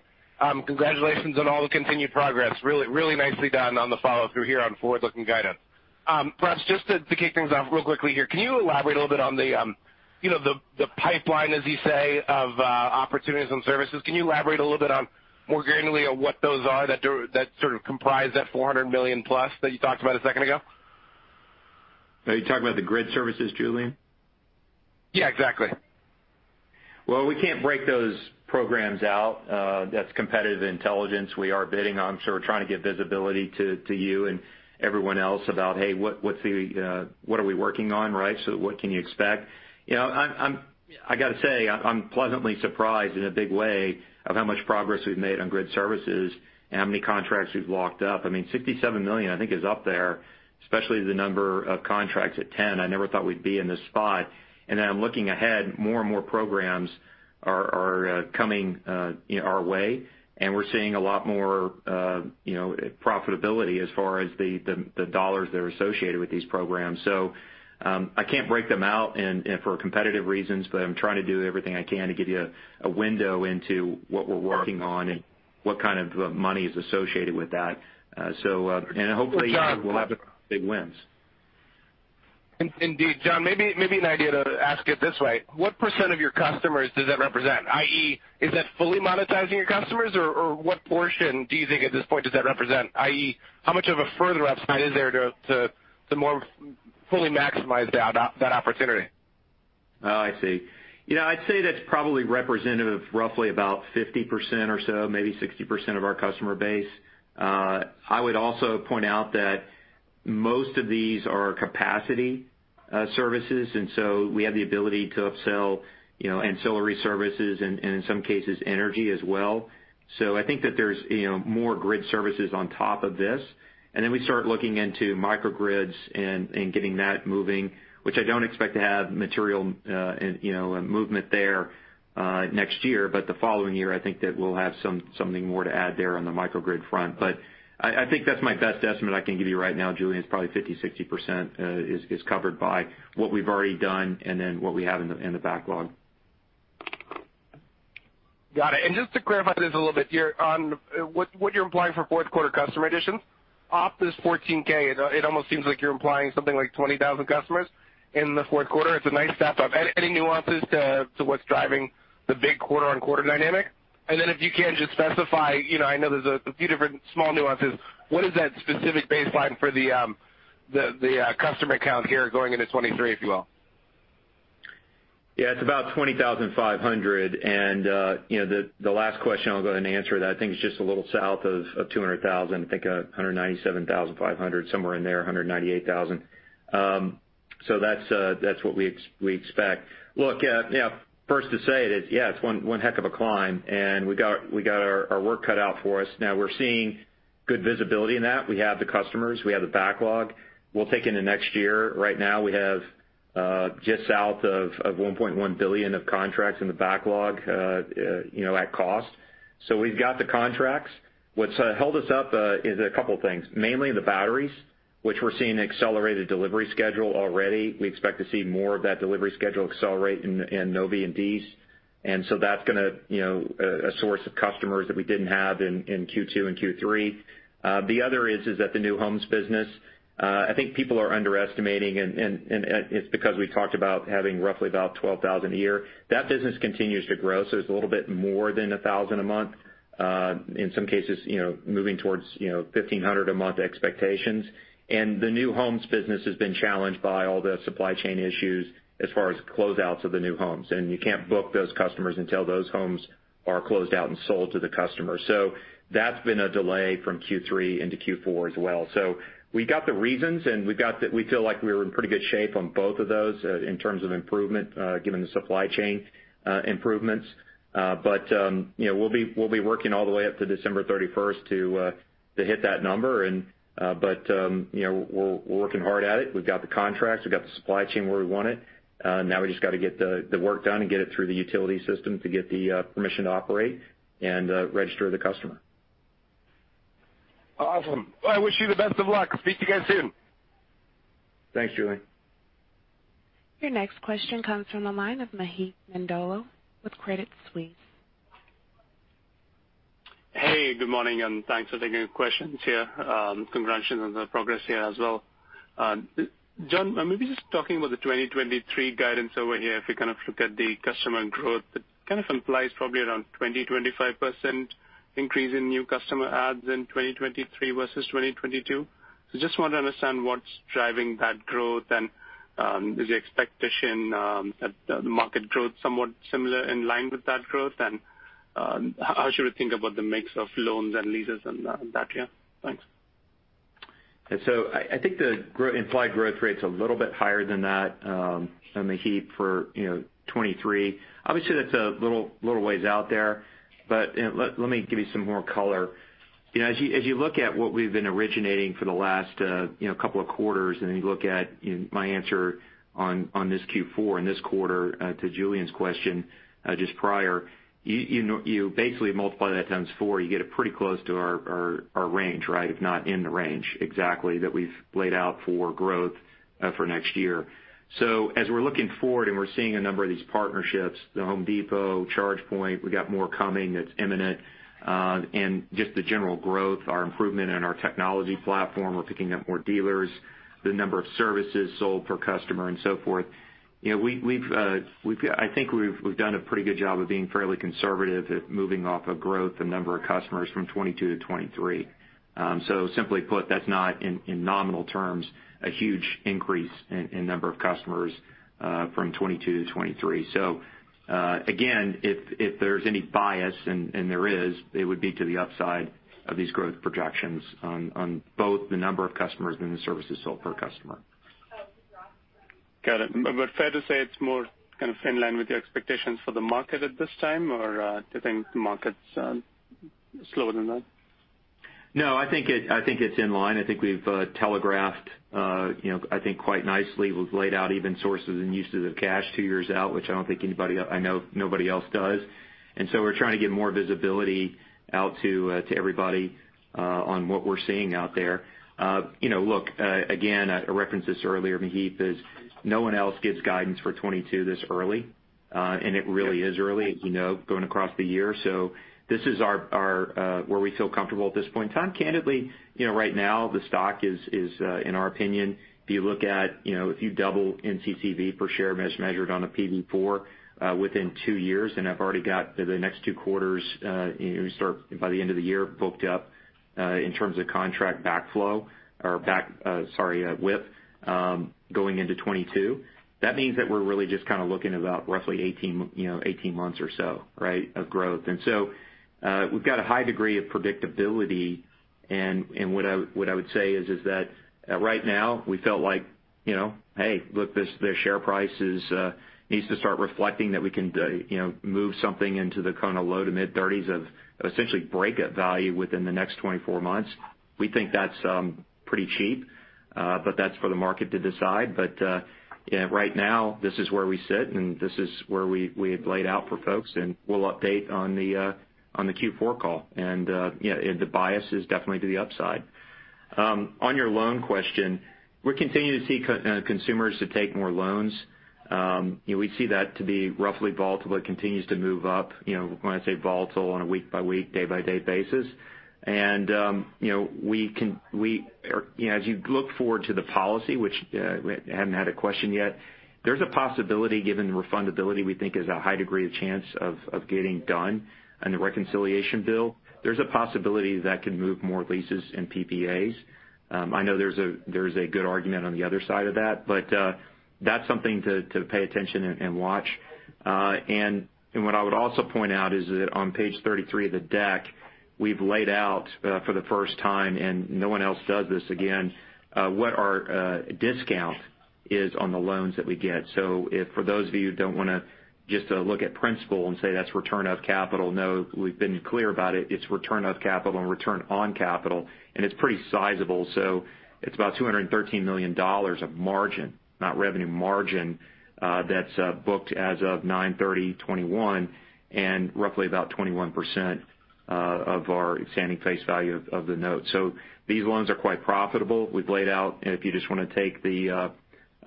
Congratulations on all the continued progress. Really nicely done on the follow-through here on forward-looking guidance. John Berger, just to kick things off real quickly here, can you elaborate a little bit on the you know the pipeline, as you say, of opportunities and services? Can you elaborate a little bit more granularly on what those are that sort of comprise that $400 million plus that you talked about a second ago? Are you talking about the grid services, Julien? Yeah, exactly. Well, we can't break those programs out. That's competitive intelligence we are bidding on, so we're trying to give visibility to you and everyone else about, hey, what's the what are we working on, right? So what can you expect? You know, I gotta say, I'm pleasantly surprised in a big way of how much progress we've made on grid services and how many contracts we've locked up. I mean, $67 million, I think, is up there, especially the number of contracts at 10. I never thought we'd be in this spot. Then looking ahead, more and more programs are coming our way, and we're seeing a lot more profitability as far as the dollars that are associated with these programs. I can't break them out and for competitive reasons, but I'm trying to do everything I can to give you a window into what we're working on and what kind of money is associated with that. Hopefully we'll have big wins. Indeed. John, maybe an idea to ask it this way. What percent of your customers does that represent? i.e., is that fully monetizing your customers, or what portion do you think at this point does that represent? i.e., how much of a further upside is there to more fully maximize that opportunity? Oh, I see. You know, I'd say that's probably representative of roughly about 50% or so, maybe 60% of our customer base. I would also point out that most of these are capacity services, and so we have the ability to upsell, you know, ancillary services and in some cases, energy as well. I think that there's, you know, more grid services on top of this. We start looking into microgrids and getting that moving, which I don't expect to have material, you know, movement there next year. The following year, I think that we'll have something more to add there on the microgrid front. I think that's my best estimate I can give you right now, Julien, is probably 50%-60% covered by what we've already done and then what we have in the backlog. Got it. Just to clarify this a little bit, what you're implying for fourth quarter customer additions, off this 14K, it almost seems like you're implying something like 20,000 customers in the fourth quarter. It's a nice step up. Any nuances to what's driving the big quarter-on-quarter dynamic? Then if you can just specify, you know, I know there's a few different small nuances. What is that specific baseline for the customer count here going into 2023, if you will? Yeah, it's about 20,500. You know, the last question, I'll go ahead and answer that. I think it's just a little south of 200,000. I think 197,500, somewhere in there, 198,000. So that's what we expect. Look, you know, first to say it is, yeah, it's one heck of a climb, and we got our work cut out for us. Now we're seeing good visibility in that. We have the customers, we have the backlog. We'll take into next year. Right now, we have just south of $1.1 billion of contracts in the backlog at cost. So we've got the contracts. What's held us up is a couple things, mainly the batteries, which we're seeing accelerated delivery schedule already. We expect to see more of that delivery schedule accelerate in November and December. That's gonna, you know, a source of customers that we didn't have in Q2 and Q3. The other is that the new homes business, I think people are underestimating and it's because we talked about having roughly about 12,000 a year. That business continues to grow, so it's a little bit more than 1,000 a month, in some cases, you know, moving towards, you know, 1,500 a month expectations. The new homes business has been challenged by all the supply chain issues as far as closeouts of the new homes. You can't book those customers until those homes are closed out and sold to the customer. That's been a delay from Q3 into Q4 as well. We got the reasons, and we feel like we're in pretty good shape on both of those in terms of improvement given the supply chain improvements. But you know, we'll be working all the way up to December thirty-first to hit that number. But you know, we're working hard at it. We've got the contracts, we've got the supply chain where we want it. Now we just gotta get the work done and get it through the utility system to get the permission to operate and register the customer. Awesome. I wish you the best of luck. Speak to you guys soon. Thanks, Julien. Your next question comes from the line of Maheep Mandloi with Credit Suisse. Hey, good morning, and thanks for taking questions here. Congratulations on the progress here as well. John, maybe just talking about the 2023 guidance over here. If we kind of look at the customer growth, it kind of implies probably around 20%-25% increase in new customer adds in 2023 versus 2022. Just want to understand what's driving that growth and is the expectation that the market growth somewhat similar in line with that growth, and how should we think about the mix of loans and leases and that? Yeah. Thanks. I think the implied growth rate's a little bit higher than that, Maheep for 2023. Obviously, that's a little ways out there, but let me give you some more color. You know, as you look at what we've been originating for the last couple of quarters, and then you look at my answer on this Q4 and this quarter to Julien's question just prior, you know, you basically multiply that times four, you get it pretty close to our range, right? If not in the range exactly that we've laid out for growth for next year. As we're looking forward, we're seeing a number of these partnerships, The Home Depot, ChargePoint. We got more coming that's imminent, and just the general growth, our improvement in our technology platform. We're picking up more dealers, the number of services sold per customer and so forth. You know, we've done a pretty good job of being fairly conservative at moving off of growth, the number of customers from 2022 to 2023. Simply put, that's not in nominal terms a huge increase in number of customers from 2022 to 2023. Again, if there's any bias and there is, it would be to the upside of these growth projections on both the number of customers and the services sold per customer. Got it. Fair to say it's more kind of in line with your expectations for the market at this time, or, do you think the market's slower than that? No, I think it's in line. I think we've telegraphed, you know, I think quite nicely. We've laid out even sources and uses of cash two years out, which I know nobody else does. We're trying to get more visibility out to everybody on what we're seeing out there. You know, look, again, I referenced this earlier, Maheep. No one else gives guidance for 2022 this early, and it really is early, you know, going across the year. This is where we feel comfortable at this point in time. Candidly, you know, right now the stock is in our opinion, if you look at, you know, if you double NCCV per share as measured on a PD4 within two years, and I've already got the next two quarters start by the end of the year booked up in terms of contract backlog, sorry, WIP going into 2022, that means that we're really just kind of looking about roughly 18, you know, 18 months or so, right, of growth. We've got a high degree of predictability. What I would say is that right now we felt like you know hey look this the share price is needs to start reflecting that we can you know move something into the kind of low- to mid-30s of essentially break up value within the next 24 months. We think that's pretty cheap. That's for the market to decide. Right now this is where we sit, and this is where we had laid out for folks, and we'll update on the Q4 call. The bias is definitely to the upside. On your loan question, we're continuing to see consumers to take more loans. We see that to be roughly volatile. It continues to move up, you know, when I say volatile on a week by week, day by day basis. We are, you know, as you look forward to the policy, which we hadn't had a question yet, there's a possibility given the refundability, we think is a high degree of chance of getting done on the reconciliation bill. There's a possibility that could move more leases and PPAs. I know there's a good argument on the other side of that, but that's something to pay attention and watch. What I would also point out is that on page 33 of the deck, we've laid out for the first time, and no one else does this again, what our discount is on the loans that we get. If for those of you who don't wanna just look at principal and say that's return of capital, no, we've been clear about it. It's return of capital and return on capital, and it's pretty sizable. It's about $213 million of margin, not revenue margin, that's booked as of 9/30/2021 and roughly about 21% of our standing face value of the note. These loans are quite profitable. We've laid out if you just want to take the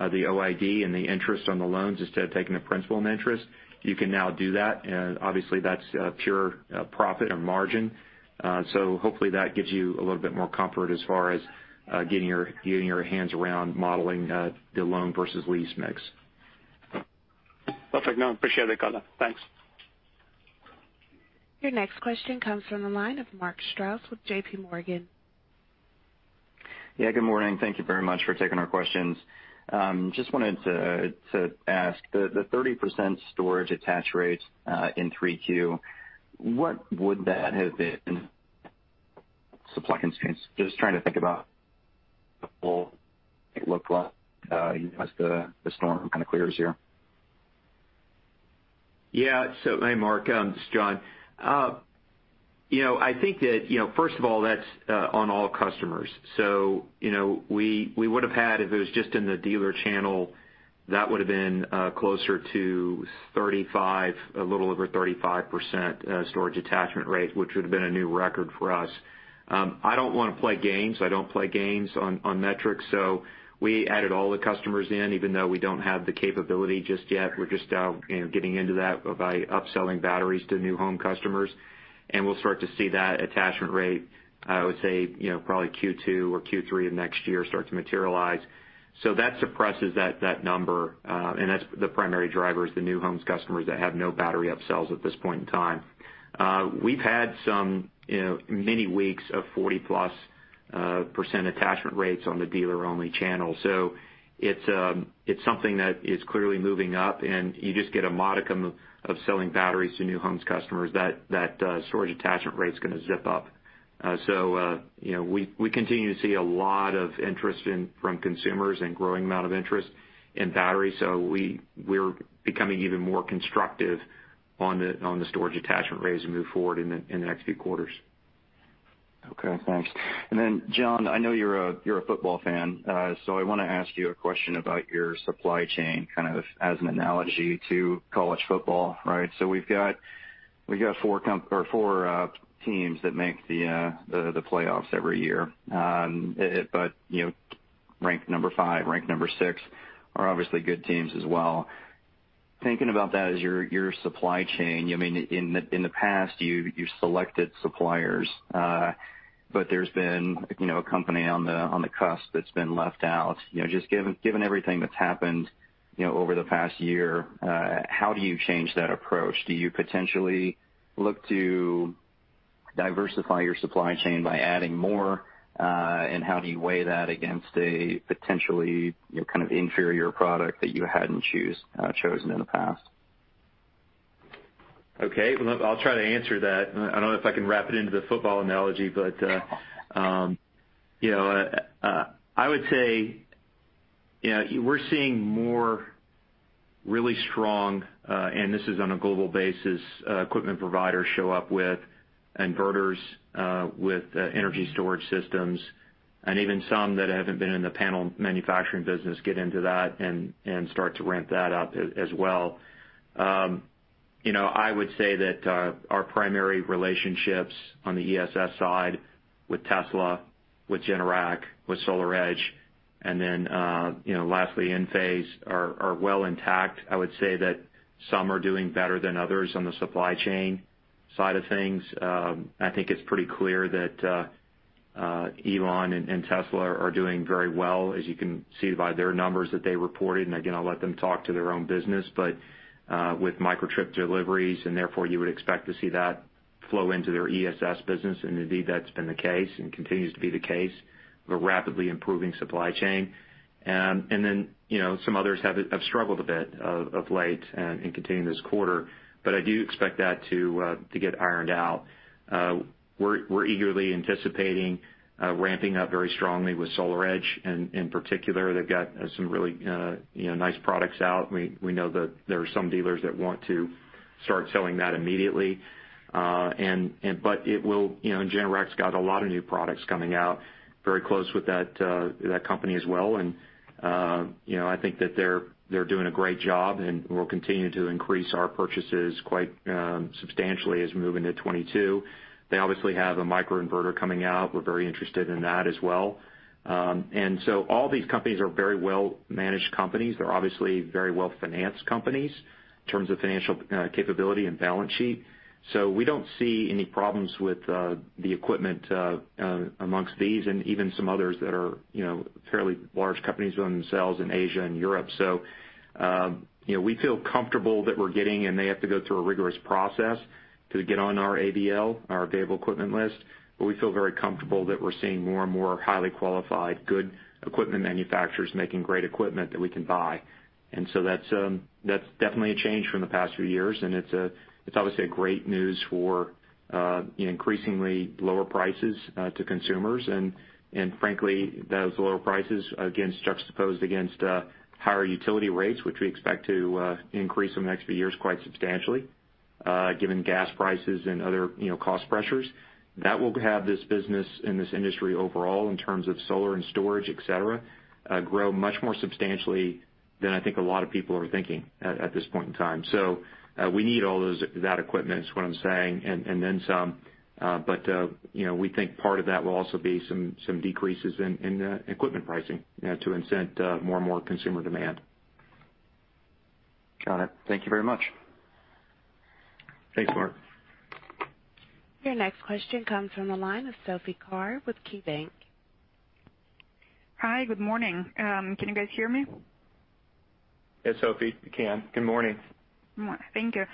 OID and the interest on the loans instead of taking the principal and interest, you can now do that. Obviously that's pure profit and margin. Hopefully that gives you a little bit more comfort as far as getting your hands around modeling the loan versus lease mix. Perfect. No, I appreciate it, color. Thanks. Your next question comes from the line of Mark Strouse with JPMorgan. Yeah, good morning. Thank you very much for taking our questions. Just wanted to ask the 30% storage attach rate in Q3, what would that have been without supply constraints? Just trying to think about what it looked like as the storm kind of clears here. Yeah. Hey, Mark, this is John. You know, I think that, you know, first of all, that's on all customers. You know, we would have had if it was just in the dealer channel, that would have been closer to 35, a little over 35% storage attachment rate, which would have been a new record for us. I don't wanna play games. I don't play games on metrics, so we added all the customers in even though we don't have the capability just yet. We're just now, you know, getting into that by upselling batteries to new home customers. We'll start to see that attachment rate, I would say, you know, probably Q2 or Q3 of next year start to materialize. That suppresses that number, and that's the primary drivers, the new homes customers that have no battery upsells at this point in time. We've had some, you know, many weeks of 40+% attachment rates on the dealer-only channel. It's something that is clearly moving up, and you just get a modicum of selling batteries to new homes customers, that storage attachment rate's gonna zip up. We continue to see a lot of interest from consumers and growing amount of interest in batteries. We're becoming even more constructive on the storage attachment rates as we move forward in the next few quarters. Okay, thanks. John, I know you're a football fan, so I wanna ask you a question about your supply chain, kind of as an analogy to college football, right? We've got four teams that make the playoffs every year. You know, ranked number five, ranked number six are obviously good teams as well. Thinking about that as your supply chain, I mean, in the past, you selected suppliers. There's been a company on the cusp that's been left out. You know, just given everything that's happened, you know, over the past year, how do you change that approach? Do you potentially look to diversify your supply chain by adding more, and how do you weigh that against a potentially, you know, kind of inferior product that you hadn't chosen in the past? Okay, well, I'll try to answer that. I don't know if I can wrap it into the football analogy, but you know, I would say, you know, we're seeing more really strong, and this is on a global basis, equipment providers show up with inverters, with energy storage systems, and even some that haven't been in the panel manufacturing business get into that and start to ramp that up as well. You know, I would say that our primary relationships on the ESS side with Tesla, with Generac, with SolarEdge, and then, you know, lastly, Enphase are well intact. I would say that some are doing better than others on the supply chain side of things. I think it's pretty clear that Elon and Tesla are doing very well, as you can see by their numbers that they reported. Again, I'll let them talk to their own business, but with Megapack deliveries, and therefore you would expect to see that flow into their ESS business. Indeed, that's been the case and continues to be the case with a rapidly improving supply chain. You know, some others have struggled a bit of late and continue this quarter. I do expect that to get ironed out. We're eagerly anticipating ramping up very strongly with SolarEdge. In particular, they've got some really, you know, nice products out, and we know that there are some dealers that want to start selling that immediately. It will. You know, Generac's got a lot of new products coming out, very close with that company as well. You know, I think that they're doing a great job, and we'll continue to increase our purchases quite substantially as we move into 2022. They obviously have a microinverter coming out. We're very interested in that as well. All these companies are very well-managed companies. They're obviously very well-financed companies in terms of financial capability and balance sheet. We don't see any problems with the equipment amongst these and even some others that are, you know, fairly large companies themselves in Asia and Europe. you know, we feel comfortable that we're getting, and they have to go through a rigorous process to get on our AVL, our available equipment list, but we feel very comfortable that we're seeing more and more highly qualified, good equipment manufacturers making great equipment that we can buy. That's definitely a change from the past few years, and it's obviously a great news for increasingly lower prices to consumers. Frankly, those lower prices juxtaposed against higher utility rates, which we expect to increase over the next few years quite substantially, given gas prices and other, you know, cost pressures, that will have this business and this industry overall in terms of solar and storage, et cetera, grow much more substantially than I think a lot of people are thinking at this point in time. We need all that equipment is what I'm saying, and then some. You know, we think part of that will also be some decreases in equipment pricing to incent more and more consumer demand. Got it. Thank you very much. Thanks, Mark. Your next question comes from the line of Sophie Karp with KeyBanc. Hi, good morning. Can you guys hear me? Yes, Sophie. We can. Good morning. Thank you.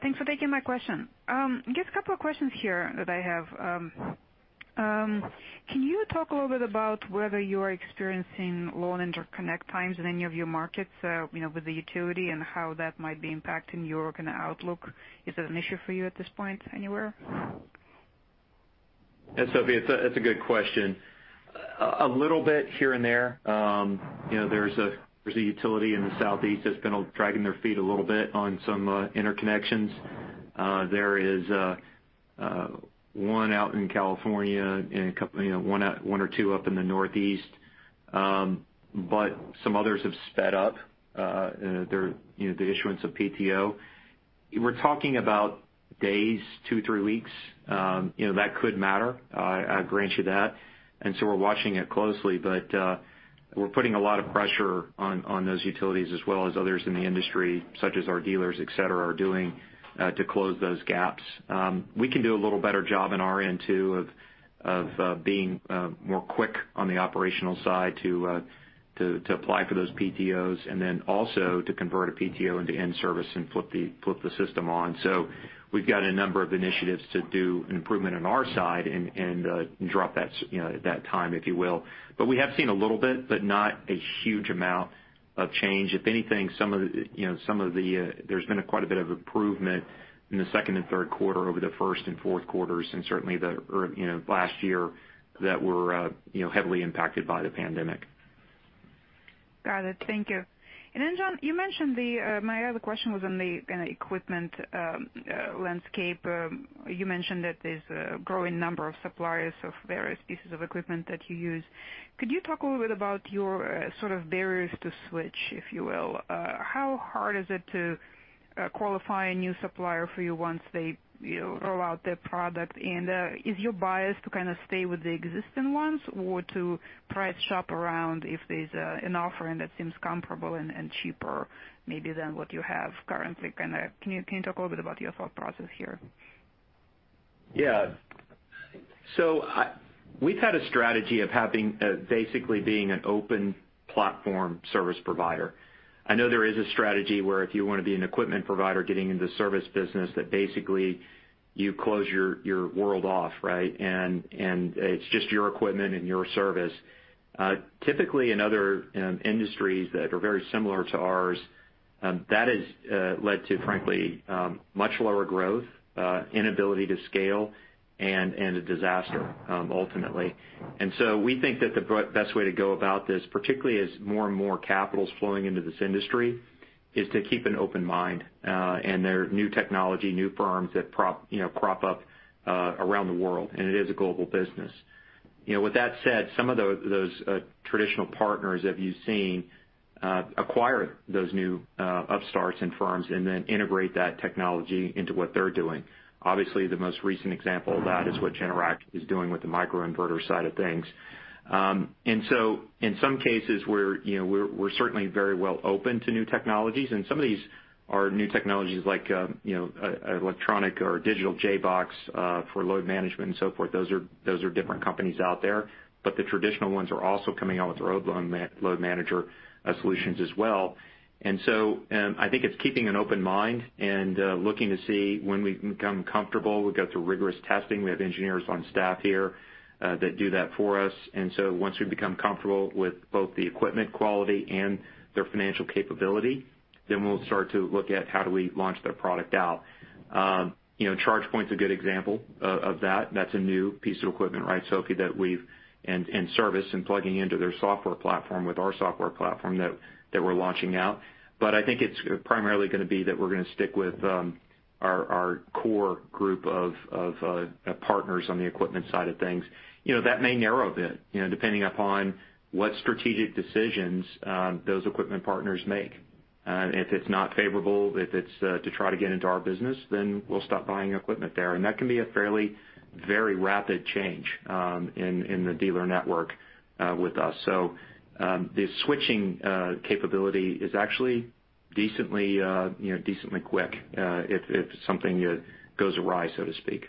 Thanks for taking my question. I guess a couple of questions here that I have. Can you talk a little bit about whether you are experiencing long interconnect times in any of your markets, you know, with the utility and how that might be impacting your kinda outlook? Is it an issue for you at this point anywhere? Yeah, Sophie, it's a good question. A little bit here and there. You know, there's a utility in the southeast that's been dragging their feet a little bit on some interconnections. There is one out in California and a couple, you know, one or two up in the northeast. But some others have sped up their, you know, the issuance of PTO. We're talking about days, two, three weeks, you know, that could matter. I grant you that. We're watching it closely, but we're putting a lot of pressure on those utilities as well as others in the industry, such as our dealers, et cetera, are doing to close those gaps. We can do a little better job on our end, too, of being more quick on the operational side to apply for those PTOs and then also to convert a PTO into end service and flip the system on. We've got a number of initiatives to do an improvement on our side and drop that time, if you will. We have seen a little bit, but not a huge amount of change. If anything, some of the. There's been quite a bit of improvement in the second and third quarter over the first and fourth quarters, and certainly last year that were heavily impacted by the pandemic. Got it. Thank you. John, my other question was on the kind of equipment landscape. You mentioned that there's a growing number of suppliers of various pieces of equipment that you use. Could you talk a little bit about your sort of barriers to switch, if you will? How hard is it to qualify a new supplier for you once they, you know, roll out their product? Is your bias to kind of stay with the existing ones or to price shop around if there's an offering that seems comparable and cheaper maybe than what you have currently kind of? Can you talk a little bit about your thought process here? We've had a strategy of having, basically being an open platform service provider. I know there is a strategy where if you wanna be an equipment provider getting into service business, that basically you close your world off, right? It's just your equipment and your service. Typically in other industries that are very similar to ours, that has led to frankly, much lower growth, inability to scale and a disaster, ultimately. We think that the best way to go about this, particularly as more and more capital's flowing into this industry, is to keep an open mind. There are new technology, new firms that pop, you know, crop up around the world, and it is a global business. You know, with that said, some of those traditional partners that you've seen acquire those new upstarts and firms and then integrate that technology into what they're doing. Obviously, the most recent example of that is what Generac is doing with the microinverter side of things. In some cases, we're certainly very well open to new technologies, and some of these are new technologies like, you know, electronic or digital JBox for load management and so forth. Those are different companies out there. But the traditional ones are also coming out with load manager solutions as well. I think it's keeping an open mind and looking to see when we become comfortable. We go through rigorous testing. We have engineers on staff here that do that for us. Once we become comfortable with both the equipment quality and their financial capability, then we'll start to look at how do we launch their product out. ChargePoint's a good example of that. That's a new piece of equipment, right, Sophie, that we've and service and plugging into their software platform with our software platform that we're launching out. But I think it's primarily gonna be that we're gonna stick with our core group of partners on the equipment side of things. That may narrow a bit depending upon what strategic decisions those equipment partners make. If it's not favorable, if it's to try to get into our business, then we'll stop buying equipment there. That can be a fairly very rapid change in the dealer network with us. The switching capability is actually decently, you know, decently quick, if something goes awry, so to speak.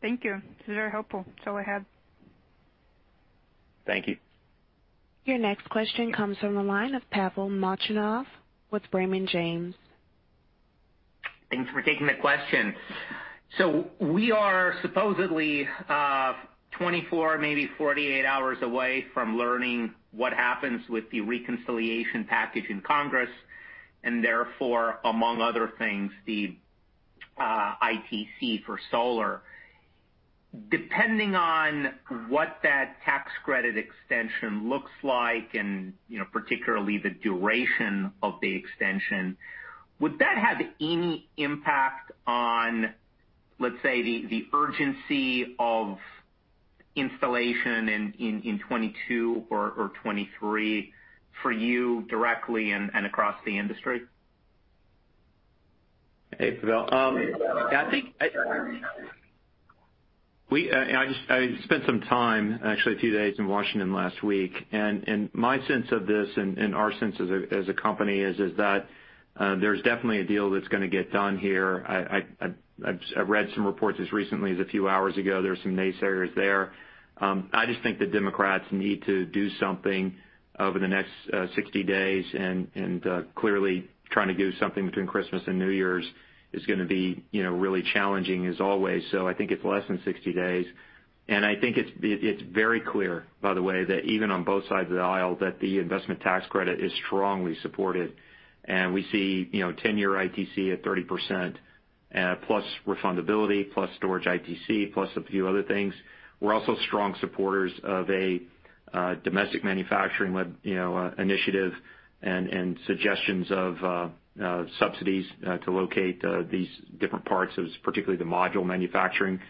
Thank you. This is very helpful. That's all I had. Thank you. Your next question comes from the line of Pavel Molchanov with Raymond James. Thanks for taking the question. We are supposedly 24, maybe 48 hours away from learning what happens with the reconciliation package in Congress, and therefore, among other things, the ITC for solar. Depending on what that tax credit extension looks like and, you know, particularly the duration of the extension, would that have any impact on, let's say, the urgency of installation in 2022 or 2023 for you directly and across the industry? Hey, Pavel. I think I spent some time, actually a few days in Washington last week, and my sense of this and our sense as a company is that there's definitely a deal that's gonna get done here. I've read some reports as recently as a few hours ago. There's some naysayers there. I just think the Democrats need to do something over the next 60 days, and clearly trying to do something between Christmas and New Year's is gonna be, you know, really challenging as always. I think it's less than 60 days. I think it's very clear, by the way, that even on both sides of the aisle, that the Investment Tax Credit is strongly supported. We see, you know, 10-year ITC at 30%, plus refundability, plus storage ITC, plus a few other things. We're also strong supporters of a domestic manufacturing bill, you know, initiative and suggestions of subsidies to locate these different parts of particularly the module manufacturing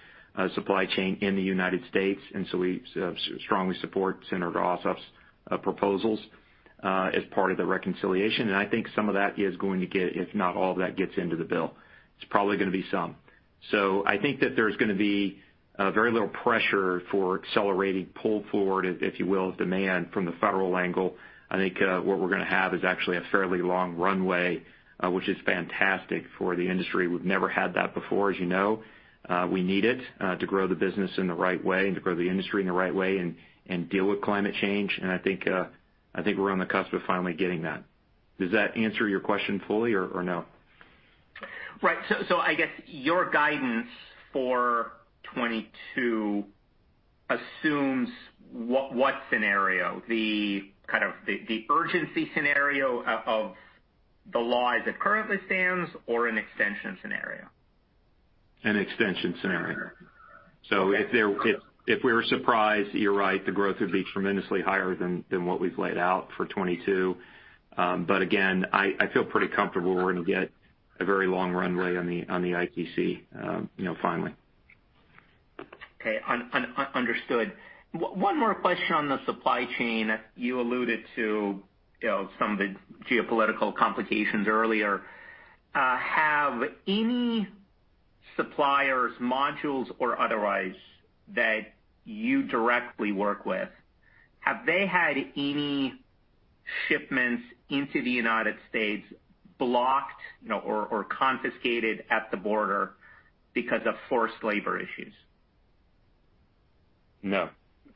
supply chain in the United States. We strongly support Senator Ossoff's proposals as part of the reconciliation. I think some of that is going to get, if not all of that gets into the bill, it's probably gonna be some. I think that there's gonna be very little pressure for accelerating pull forward, if you will, of demand from the federal angle. I think what we're gonna have is actually a fairly long runway, which is fantastic for the industry. We've never had that before, as you know. We need it to grow the business in the right way and to grow the industry in the right way and deal with climate change. I think we're on the cusp of finally getting that. Does that answer your question fully or no? Right. I guess your guidance for 2022 assumes what scenario? The kind of the urgency scenario of the law as it currently stands or an extension scenario? An extension scenario. If we were surprised, you're right, the growth would be tremendously higher than what we've laid out for 2022. I feel pretty comfortable we're gonna get a very long runway on the ITC, you know, finally. Okay. Understood. One more question on the supply chain. You alluded to, you know, some of the geopolitical complications earlier. Have any suppliers, modules or otherwise, that you directly work with, had any shipments into the United States blocked, you know, or confiscated at the border because of forced labor issues? No.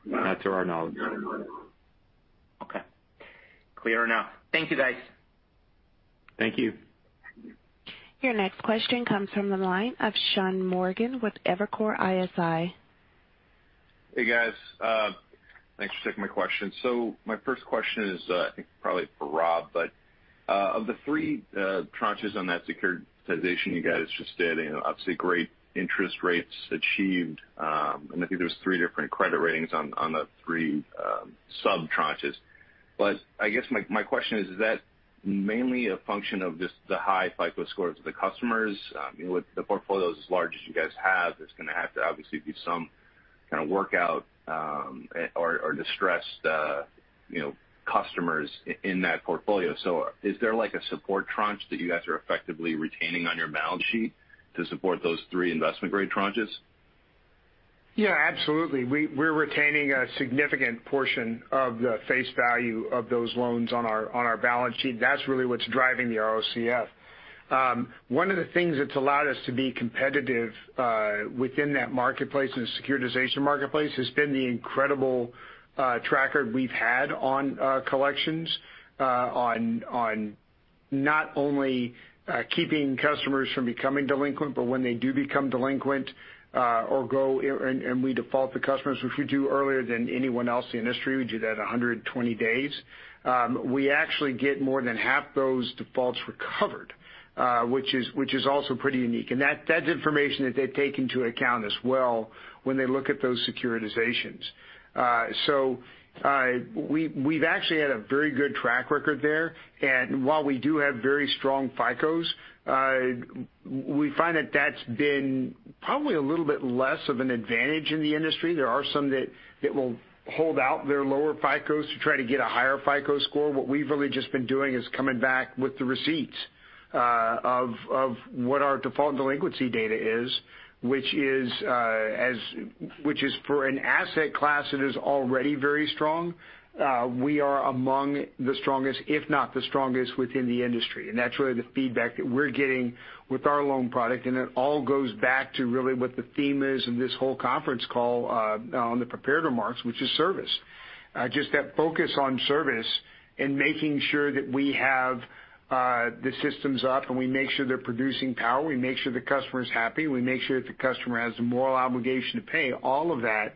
Not to our knowledge. Okay. Clear enough. Thank you, guys. Thank you. Your next question comes from the line of Sean Morgan with Evercore ISI. Hey, guys. Thanks for taking my question. My first question is, I think probably for Rob, but of the three tranches on that securitization you guys just did, you know, obviously great interest rates achieved, and I think there was three different credit ratings on the three sub-tranches. I guess my question is that mainly a function of just the high FICO scores of the customers? You know, with the portfolios as large as you guys have, there's gonna have to obviously be some kinda workout or distressed, you know, customers in that portfolio. Is there like a support tranche that you guys are effectively retaining on your balance sheet to support those three investment-grade tranches? Yeah, absolutely. We're retaining a significant portion of the face value of those loans on our balance sheet. That's really what's driving the ROCF. One of the things that's allowed us to be competitive within that marketplace, in the securitization marketplace, has been the incredible track record we've had on our collections on not only keeping customers from becoming delinquent, but when they do become delinquent, we default the customers, which we do earlier than anyone else in the industry, we do that at 120 days. We actually get more than half those defaults recovered, which is also pretty unique. That's information that they take into account as well when they look at those securitizations. We've actually had a very good track record there. While we do have very strong FICOs, we find that that's been probably a little bit less of an advantage in the industry. There are some that will hold out their lower FICOs to try to get a higher FICO score. What we've really just been doing is coming back with the receipts of what our default and delinquency data is, which is for an asset class that is already very strong, we are among the strongest, if not the strongest within the industry. That's really the feedback that we're getting with our loan product. It all goes back to really what the theme is in this whole conference call on the prepared remarks, which is service. Just that focus on service and making sure that we have the systems up, and we make sure they're producing power, we make sure the customer is happy, we make sure that the customer has the moral obligation to pay. All of that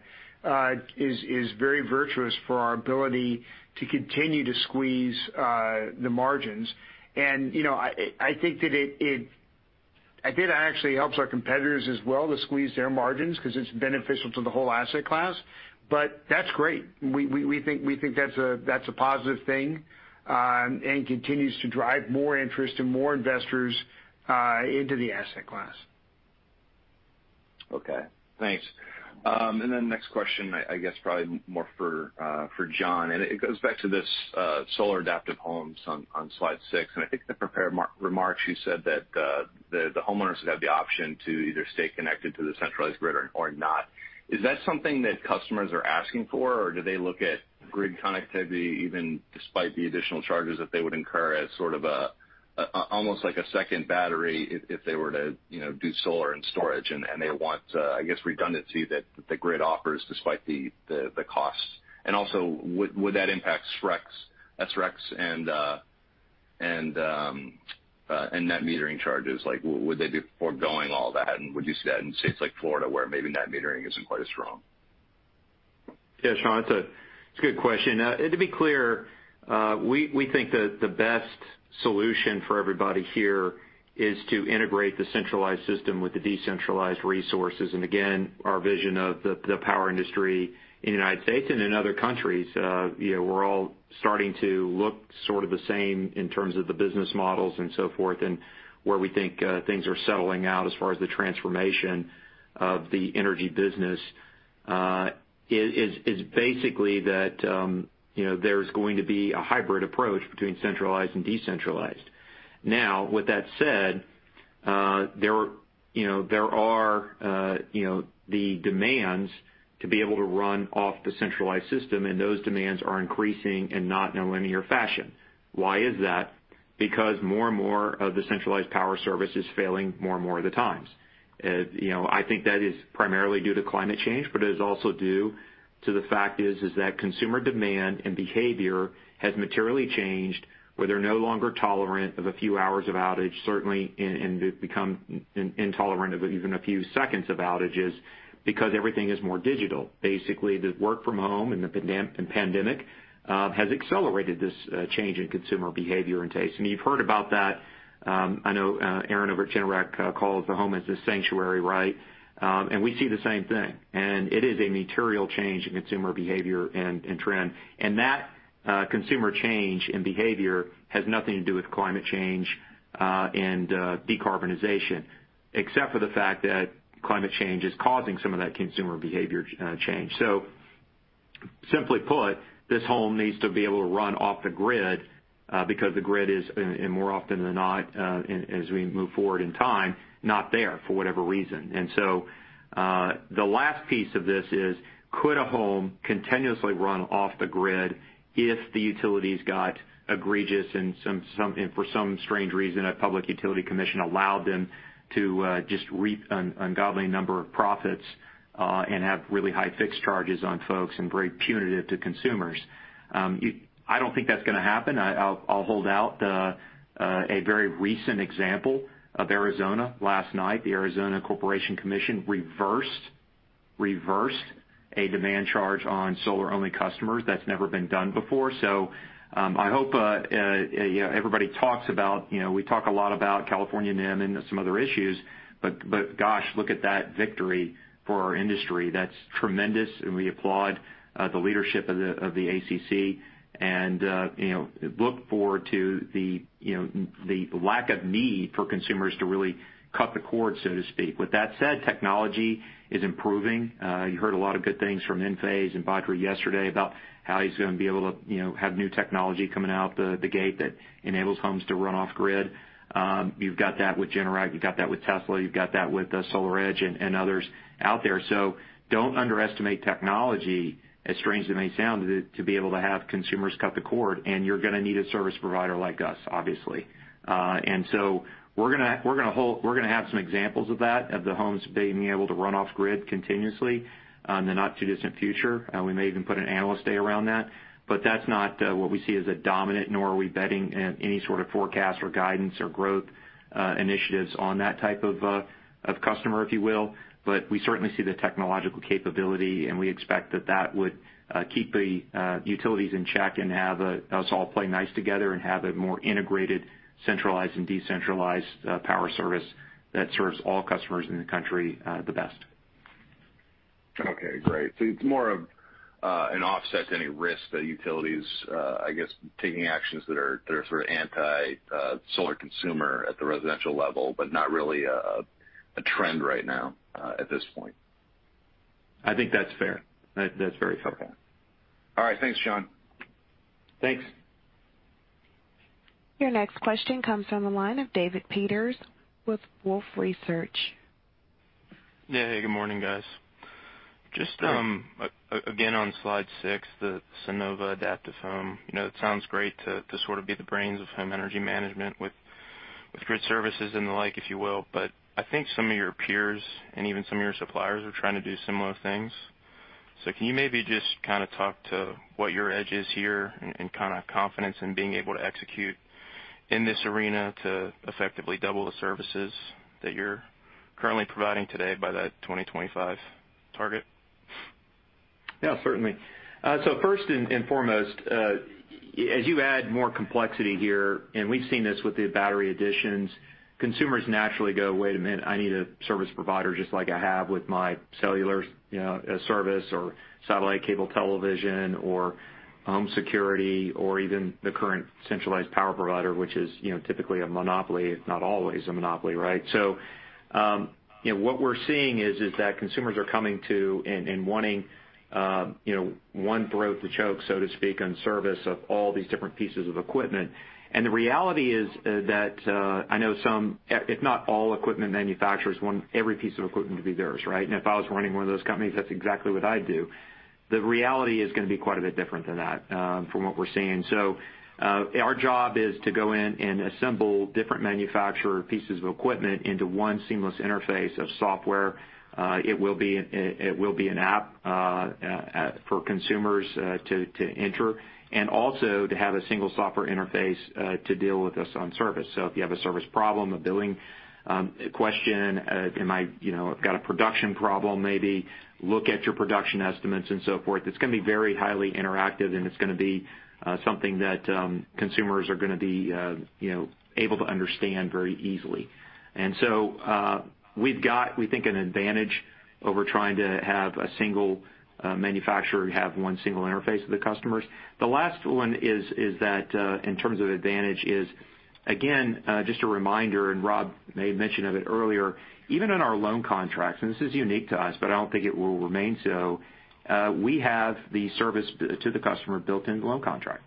is very virtuous for our ability to continue to squeeze the margins. You know, I think that actually helps our competitors as well to squeeze their margins 'cause it's beneficial to the whole asset class, but that's great. We think that's a positive thing and continues to drive more interest and more investors into the asset class. Okay, thanks. Next question, I guess probably more for John, and it goes back to this Sunnova Adaptive Home on slide 6. I think in the prepared remarks you said that the homeowners would have the option to either stay connected to the centralized grid or not. Is that something that customers are asking for or do they look at grid connectivity even despite the additional charges that they would incur as sort of almost like a second battery if they were to, you know, do solar and storage and they want, I guess redundancy that the grid offers despite the costs? Also would that impact SRECs and net metering charges? Like, would they be foregoing all that and would you see that in states like Florida where maybe net metering isn't quite as strong? Yeah, Sean, it's a good question. To be clear, we think that the best solution for everybody here is to integrate the centralized system with the decentralized resources. Again, our vision of the power industry in the U.S. and in other countries, you know, we're all starting to look sort of the same in terms of the business models and so forth, and where we think things are settling out as far as the transformation of the energy business is basically that, you know, there's going to be a hybrid approach between centralized and decentralized. Now, with that said, you know, there are demands to be able to run off the centralized system, and those demands are increasing, not in a linear fashion. Why is that? Because more and more of the centralized power service is failing more and more of the times. You know, I think that is primarily due to climate change, but it is also due to the fact is that consumer demand and behavior has materially changed, where they're no longer tolerant of a few hours of outage, certainly and become intolerant of even a few seconds of outages because everything is more digital. Basically, the work from home and the pandemic has accelerated this change in consumer behavior and taste. You've heard about that. I know Aaron over at Generac calls the home as his sanctuary, right? We see the same thing. It is a material change in consumer behavior and trend. That consumer change in behavior has nothing to do with climate change and decarbonization, except for the fact that climate change is causing some of that consumer behavior change. Simply put, this home needs to be able to run off the grid because the grid is and more often than not, as we move forward in time, not there for whatever reason. The last piece of this is, could a home continuously run off the grid if the utilities got egregious and some and for some strange reason, a public utility commission allowed them to just reap an ungodly number of profits and have really high fixed charges on folks and very punitive to consumers? I don't think that's gonna happen. I'll hold out a very recent example of Arizona. Last night, the Arizona Corporation Commission reversed a demand charge on solar-only customers. That's never been done before. I hope you know everybody talks about you know we talk a lot about California NEM and some other issues, but gosh, look at that victory for our industry. That's tremendous, and we applaud the leadership of the ACC. You know, look forward to the you know, the lack of need for consumers to really cut the cord, so to speak. With that said, technology is improving. You heard a lot of good things from Enphase and Badri yesterday about how he's gonna be able to you know, have new technology coming out the gate that enables homes to run off grid. You've got that with Generac. You've got that with Tesla. You've got that with SolarEdge and others out there. Don't underestimate technology, as strange as it may sound, to be able to have consumers cut the cord, and you're gonna need a service provider like us, obviously. We're gonna have some examples of that, of the homes being able to run off grid continuously, in the not too distant future. We may even put an analyst day around that. That's not what we see as a dominant, nor are we betting in any sort of forecast or guidance or growth initiatives on that type of customer, if you will. We certainly see the technological capability, and we expect that would keep the utilities in check and have us all play nice together and have a more integrated, centralized and decentralized power service that serves all customers in the country the best. Okay. Great. It's more of an offset to any risk that utilities I guess taking actions that are sort of anti solar consumer at the residential level, but not really a trend right now at this point. I think that's fair. That's very fair. Okay. All right. Thanks, John. Thanks. Your next question comes from the line of David Peters with Wolfe Research. Yeah. Good morning, guys. Just, again, on slide six, the Sunnova Adaptive Home. You know, it sounds great to sort of be the brains of home energy management with grid services and the like, if you will. But I think some of your peers and even some of your suppliers are trying to do similar things. Can you maybe just kinda talk to what your edge is here and kinda confidence in being able to execute in this arena to effectively double the services that you're currently providing today by that 2025 target? Yeah, certainly. So first and foremost, as you add more complexity here, and we've seen this with the battery additions, consumers naturally go, "Wait a minute, I need a service provider just like I have with my cellular, you know, service or satellite cable television or home security or even the current centralized power provider," which is, you know, typically a monopoly. It's not always a monopoly, right? So, you know, what we're seeing is that consumers are coming to and wanting, you know, one throat to choke, so to speak, on service of all these different pieces of equipment. The reality is that I know some, if not all equipment manufacturers want every piece of equipment to be theirs, right? If I was running one of those companies, that's exactly what I'd do. The reality is gonna be quite a bit different than that, from what we're seeing. Our job is to go in and assemble different manufacturer pieces of equipment into one seamless interface of software. It will be an app for consumers to enter, and also to have a single software interface to deal with us on service. If you have a service problem, a billing question, you know, I've got a production problem maybe, look at your production estimates and so forth. It's gonna be very highly interactive, and it's gonna be something that consumers are gonna be you know, able to understand very easily. We've got, we think, an advantage over trying to have a single manufacturer have one single interface with the customers. The last one is that in terms of advantage is, again, just a reminder, and Robert made mention of it earlier, even in our loan contracts, and this is unique to us, but I don't think it will remain so, we have the service to the customer built into the loan contract.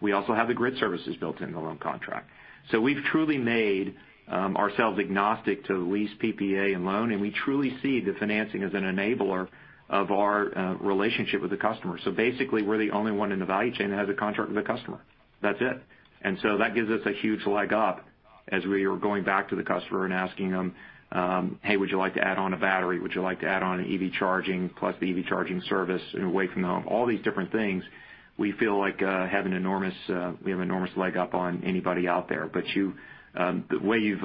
We also have the grid services built in the loan contract. So we've truly made ourselves agnostic to the lease, PPA, and loan, and we truly see the financing as an enabler of our relationship with the customer. So basically, we're the only one in the value chain that has a contract with the customer. That's it. That gives us a huge leg up as we are going back to the customer and asking them, "Hey, would you like to add on a battery? Would you like to add on an EV charging plus the EV charging service away from the home?" All these different things, we feel like we have an enormous leg up on anybody out there. But the way you've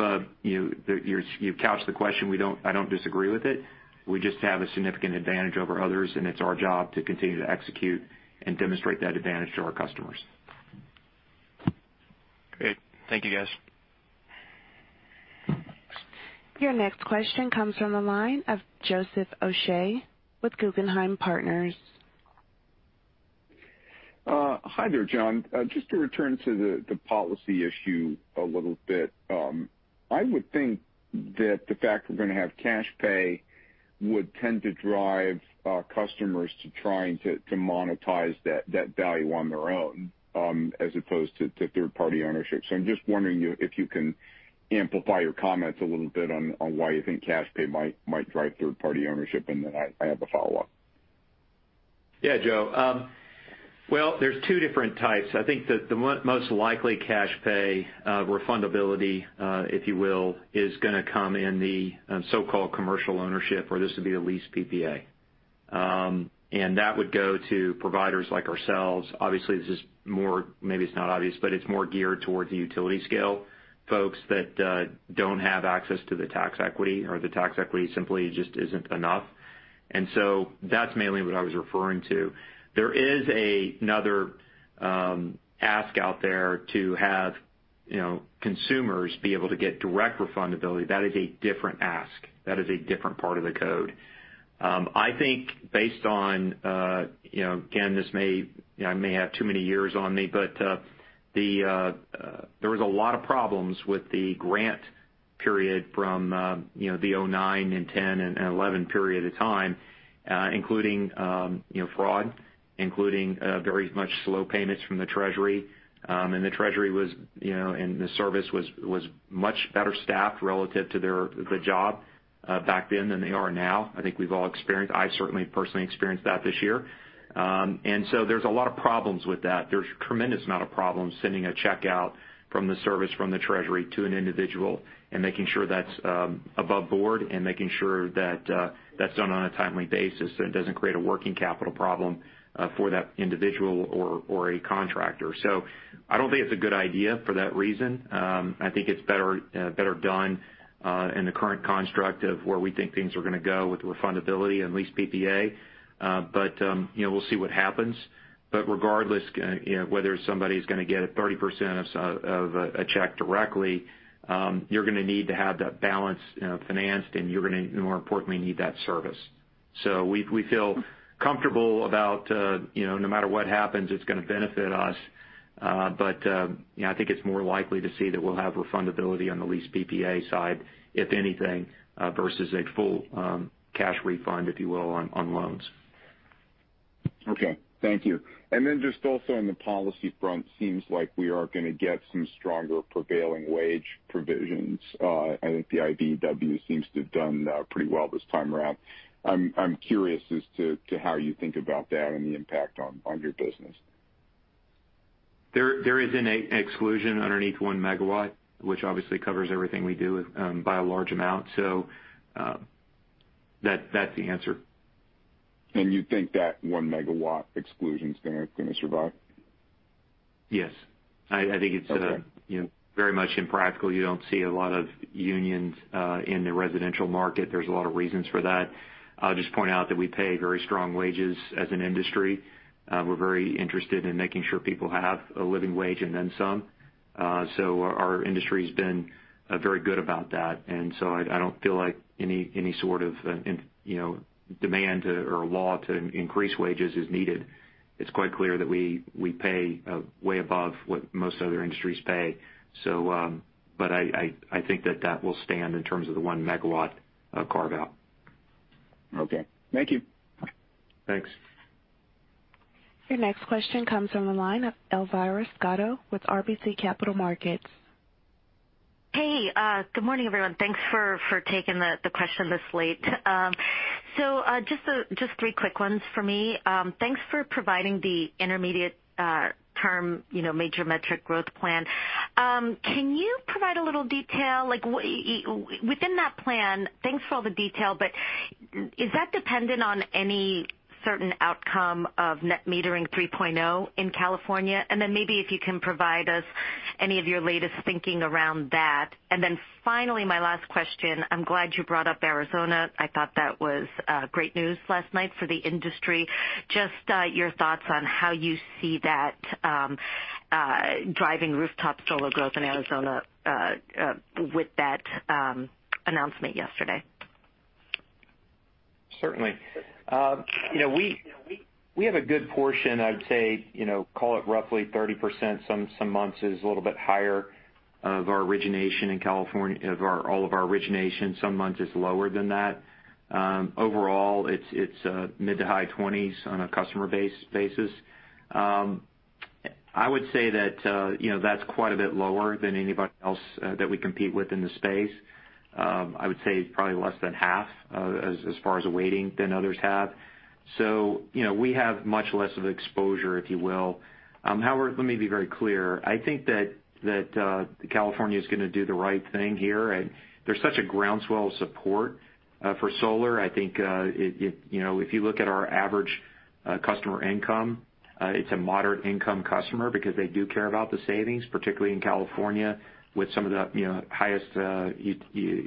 couched the question, I don't disagree with it. We just have a significant advantage over others, and it's our job to continue to execute and demonstrate that advantage to our customers. Great. Thank you guys. Your next question comes from the line of Joseph Osha with Guggenheim Partners. Hi there, John. Just to return to the policy issue a little bit. I would think that the fact we're gonna have cash pay would tend to drive customers to trying to monetize that value on their own, as opposed to third-party ownership. I'm just wondering if you can amplify your comments a little bit on why you think cash pay might drive third-party ownership, and then I have a follow-up. Yeah, Joe. Well, there's two different types. I think that the most likely cash pay refundability, if you will, is gonna come in the so-called commercial ownership, or this would be a lease PPA. That would go to providers like ourselves. Obviously, this is more, maybe it's not obvious, but it's more geared towards the utility scale folks that don't have access to the tax equity or the tax equity simply just isn't enough. That's mainly what I was referring to. There is another ask out there to have, you know, consumers be able to get direct refundability. That is a different ask. That is a different part of the code. I think based on, you know, again, this may... I may have too many years on me, but there was a lot of problems with the grant period from you know the 2009 and 2010 and 2011 period of time including you know fraud including very slow payments from the treasury. The treasury was you know and the service was much better staffed relative to the job back then than they are now. I think we've all experienced. I certainly personally experienced that this year. There's a lot of problems with that. There's a tremendous amount of problems sending a checkout from the service, from the treasury to an individual and making sure that's above board and making sure that that's done on a timely basis so it doesn't create a working capital problem for that individual or a contractor. I don't think it's a good idea for that reason. I think it's better done in the current construct of where we think things are gonna go with refundability and lease PPA. You know, we'll see what happens. Regardless, you know, whether somebody's gonna get a 30% of a check directly, you're gonna need to have that balance, you know, financed and you're gonna more importantly need that service. We feel comfortable about, you know, no matter what happens, it's gonna benefit us. I think it's more likely to see that we'll have refundability on the lease PPA side, if anything, versus a full cash refund, if you will, on loans. Okay. Thank you. Just also on the policy front, seems like we are gonna get some stronger prevailing wage provisions. I think the IBEW seems to have done pretty well this time around. I'm curious as to how you think about that and the impact on your business. There is an exclusion underneath one megawatt, which obviously covers everything we do, by a large amount. That's the answer. You think that 1 MW exclusion is gonna survive? Yes. I think it's. Okay. You know, very much impractical. You don't see a lot of unions in the residential market. There's a lot of reasons for that. I'll just point out that we pay very strong wages as an industry. We're very interested in making sure people have a living wage and then some. So our industry's been very good about that. I think that will stand in terms of the 1 megawatt carve out. Okay. Thank you. Thanks. Your next question comes from the line of Elvira Scotto with RBC Capital Markets. Hey, good morning, everyone. Thanks for taking the question this late. So, just three quick ones for me. Thanks for providing the intermediate term, you know, major metric growth plan. Can you provide a little detail, like within that plan? Thanks for all the detail, but is that dependent on any certain outcome of NEM 3.0 in California? Then maybe if you can provide us any of your latest thinking around that. Then finally, my last question, I'm glad you brought up Arizona. I thought that was great news last night for the industry. Just your thoughts on how you see that driving rooftop solar growth in Arizona with that announcement yesterday. Certainly. You know, we have a good portion, I would say, you know, call it roughly 30%, some months is a little bit higher of our origination in California of our, all of our origination. Some months it's lower than that. Overall it's mid- to high 20s on a customer basis. I would say that, you know, that's quite a bit lower than anybody else that we compete with in the space. I would say probably less than half, as far as a weighting than others have. You know, we have much less of exposure, if you will. However, let me be very clear. I think that California is gonna do the right thing here. There's such a groundswell of support for solar. I think, you know, if you look at our average customer income, it's a moderate income customer because they do care about the savings, particularly in California with some of the, you know, highest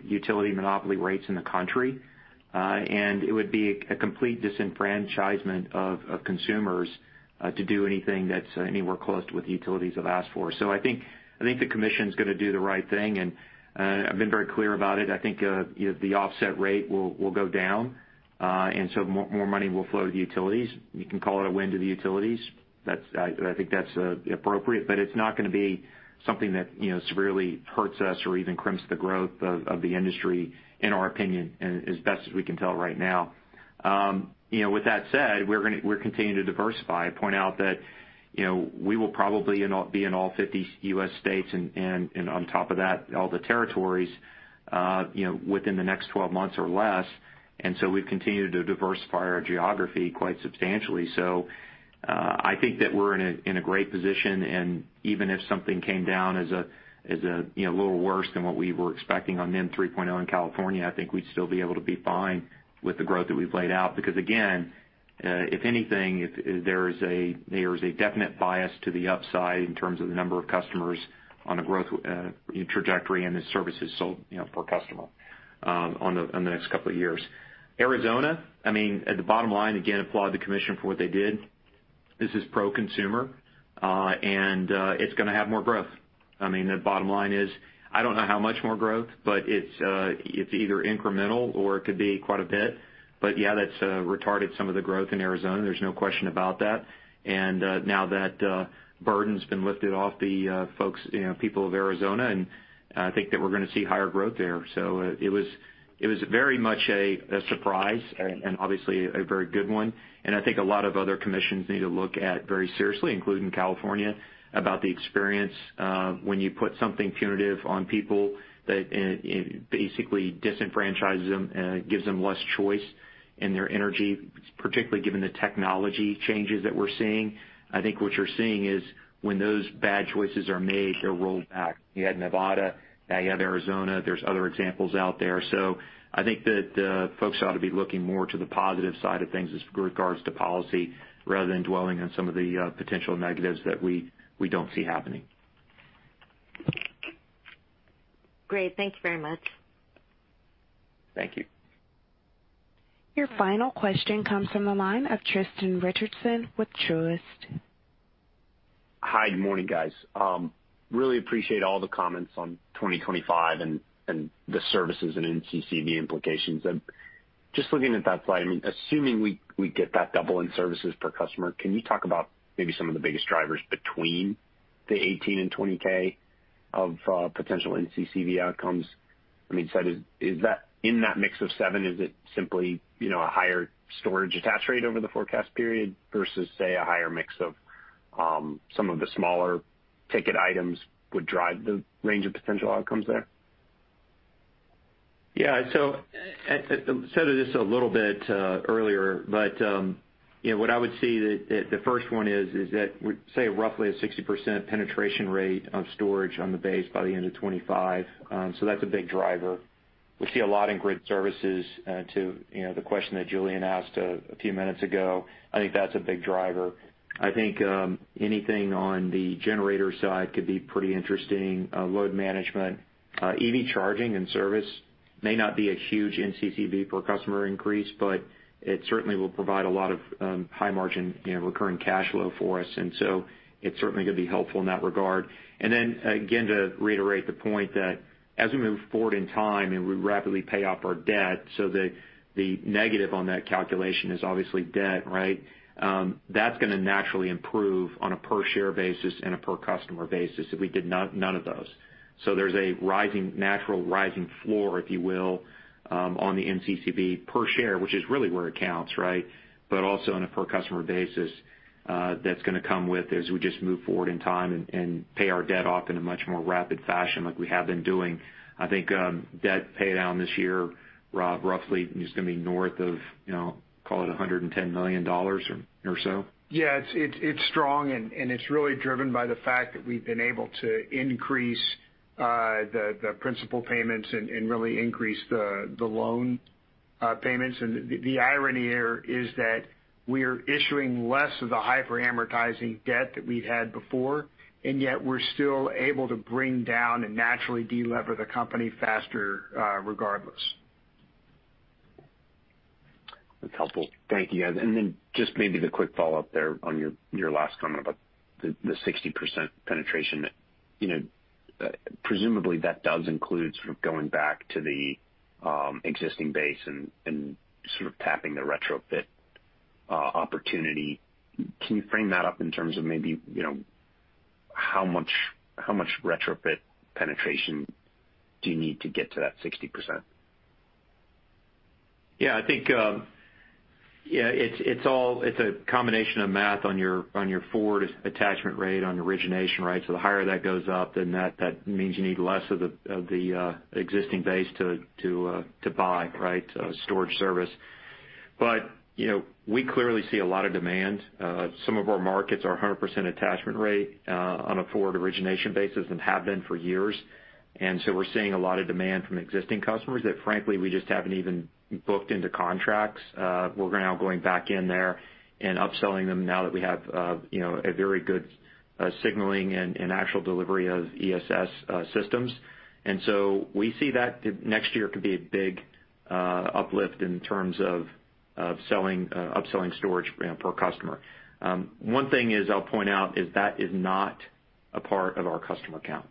utility monopoly rates in the country. It would be a complete disenfranchisement of consumers to do anything that's anywhere close to what the utilities have asked for. I think the commission's gonna do the right thing, and I've been very clear about it. I think, you know, the offset rate will go down, and so more money will flow to the utilities. You can call it a win to the utilities. I think that's appropriate, but it's not gonna be something that, you know, severely hurts us or even crimps the growth of the industry, in our opinion, and as best as we can tell right now. You know, with that said, we're continuing to diversify. I point out that, you know, we will probably be in all 50 U.S. states and on top of that, all the territories, you know, within the next 12 months or less. We've continued to diversify our geography quite substantially. I think that we're in a great position, and even if something came down as a little worse than what we were expecting on NEM 3.0 in California, I think we'd still be able to be fine with the growth that we've laid out. Because again, if anything, there is a definite bias to the upside in terms of the number of customers on a growth trajectory and the services sold, you know, per customer, on the next couple of years. Arizona, I mean, at the bottom line, again, applaud the commission for what they did. This is pro-consumer, and it's gonna have more growth. I mean, the bottom line is, I don't know how much more growth, but it's either incremental or it could be quite a bit. But yeah, that's retarded some of the growth in Arizona. There's no question about that. Now that burden's been lifted off the folks, you know, people of Arizona, and I think that we're gonna see higher growth there. It was very much a surprise and obviously a very good one. I think a lot of other commissions need to look at very seriously, including California, about the experience of when you put something punitive on people that it basically disenfranchises them and gives them less choice in their energy, particularly given the technology changes that we're seeing. I think what you're seeing is when those bad choices are made, they're rolled back. You had Nevada, now you have Arizona. There's other examples out there. I think that the folks ought to be looking more to the positive side of things as regards to policy, rather than dwelling on some of the potential negatives that we don't see happening. Great. Thank you very much. Thank you. Your final question comes from the line of Tristan Richardson with Truist. Hi, good morning, guys. Really appreciate all the comments on 2025 and the services and NCCV implications. Just looking at that slide, I mean, assuming we get that double in services per customer, can you talk about maybe some of the biggest drivers between the 18K and 20K of potential NCCV outcomes? I mean, so is that in that mix of seven, is it simply, you know, a higher storage attach rate over the forecast period versus, say, a higher mix of some of the smaller ticket items would drive the range of potential outcomes there? Yeah. I said this a little bit earlier, but you know, what I would say that the first one is that we say roughly a 60% penetration rate of storage on the base by the end of 2025. That's a big driver. We see a lot in grid services to you know, the question that Julien asked a few minutes ago. I think that's a big driver. I think anything on the generator side could be pretty interesting. Load management. EV charging and service may not be a huge NCCV per customer increase, but it certainly will provide a lot of high margin you know, recurring cash flow for us. It's certainly gonna be helpful in that regard. Then again, to reiterate the point that as we move forward in time and we rapidly pay off our debt, so the negative on that calculation is obviously debt, right? That's gonna naturally improve on a per share basis and a per customer basis if we did none of those. So there's a rising, natural rising floor, if you will, on the NCCV per share, which is really where it counts, right? But also on a per customer basis, that's gonna come with as we just move forward in time and pay our debt off in a much more rapid fashion like we have been doing. I think debt pay down this year, Rob, roughly is gonna be north of, you know, call it $110 million or so. Yeah, it's strong and it's really driven by the fact that we've been able to increase the principal payments and really increase the loan payments. The irony here is that we're issuing less of the hyper-amortizing debt that we've had before, and yet we're still able to bring down and naturally de-lever the company faster, regardless. That's helpful. Thank you, guys. Just maybe the quick follow-up there on your last comment about the 60% penetration. You know, presumably, that does include sort of going back to the existing base and sort of tapping the retrofit opportunity. Can you frame that up in terms of maybe, you know, how much retrofit penetration do you need to get to that 60%? Yeah, I think it's a combination of math on your forward attachment rate, on your origination rate. The higher that goes up, then that means you need less of the existing base to buy, right, storage service. You know, we clearly see a lot of demand. Some of our markets are 100% attachment rate on a forward origination basis and have been for years. We're seeing a lot of demand from existing customers that frankly we just haven't even booked into contracts. We're now going back in there and upselling them now that we have you know a very good signaling and actual delivery of ESS systems. We see that next year could be a big uplift in terms of selling upselling storage, you know, per customer. One thing is I'll point out is that is not a part of our customer count.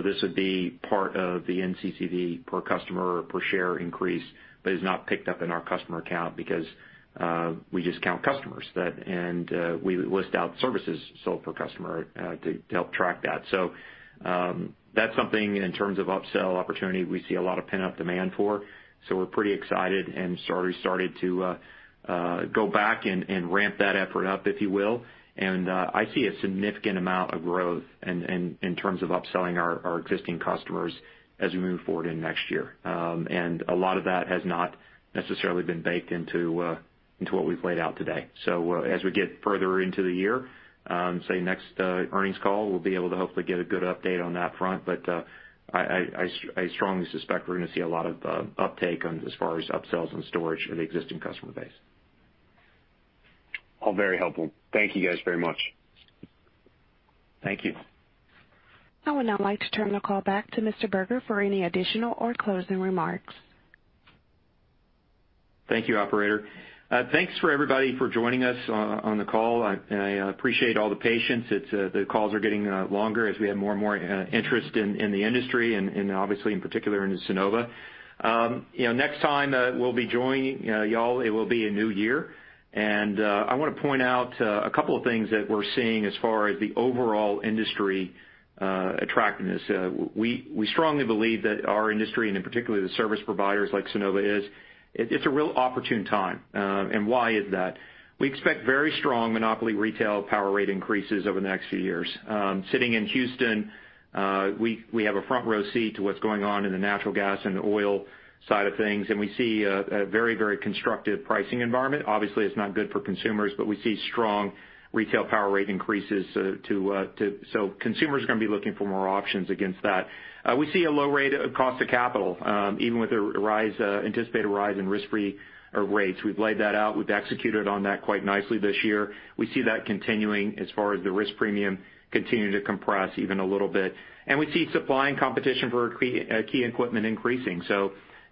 This would be part of the NCCV per customer, per share increase, but is not picked up in our customer count because we just count customers. We list out services sold per customer to help track that. That's something in terms of upsell opportunity we see a lot of pent-up demand for. We're pretty excited and sort of started to go back and ramp that effort up, if you will. I see a significant amount of growth in terms of upselling our existing customers as we move forward in next year. A lot of that has not necessarily been baked into what we've laid out today. As we get further into the year, say, next earnings call, we'll be able to hopefully get a good update on that front. I strongly suspect we're gonna see a lot of uptake on as far as upsells and storage in the existing customer base. All very helpful. Thank you guys very much. Thank you. I would now like to turn the call back to Mr. Berger for any additional or closing remarks. Thank you, operator. Thanks to everybody for joining us on the call. I appreciate all the patience. The calls are getting longer as we have more and more interest in the industry and obviously in particular in Sunnova. You know, next time we'll be joining y'all, it will be a new year. I want to point out a couple of things that we're seeing as far as the overall industry attractiveness. We strongly believe that our industry and in particular the service providers like Sunnova is a real opportune time. Why is that? We expect very strong monopoly retail power rate increases over the next few years. Sitting in Houston, we have a front row seat to what's going on in the natural gas and the oil side of things, and we see a very constructive pricing environment. Obviously, it's not good for consumers, but we see strong retail power rate increases. Consumers are gonna be looking for more options against that. We see a low rate of cost of capital, even with an anticipated rise in risk-free rates. We've laid that out. We've executed on that quite nicely this year. We see that continuing as far as the risk premium continuing to compress even a little bit. We see supply and competition for key equipment increasing.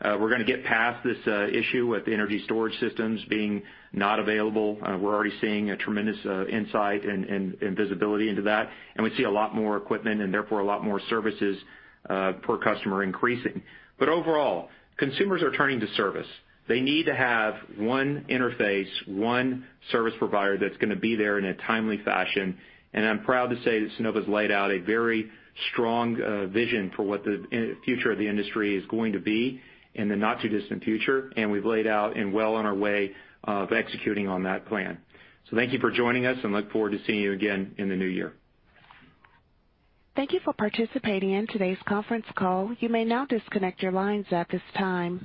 We're gonna get past this issue with energy storage systems being not available. We're already seeing a tremendous insight and visibility into that, and we see a lot more equipment and therefore a lot more services per customer increasing. But overall, consumers are turning to service. They need to have one interface, one service provider that's gonna be there in a timely fashion. I'm proud to say that Sunnova's laid out a very strong vision for what the future of the industry is going to be in the not-too-distant future, and we've laid out and well on our way of executing on that plan. Thank you for joining us, and I look forward to seeing you again in the new year. Thank you for participating in today's conference call. You may now disconnect your lines at this time.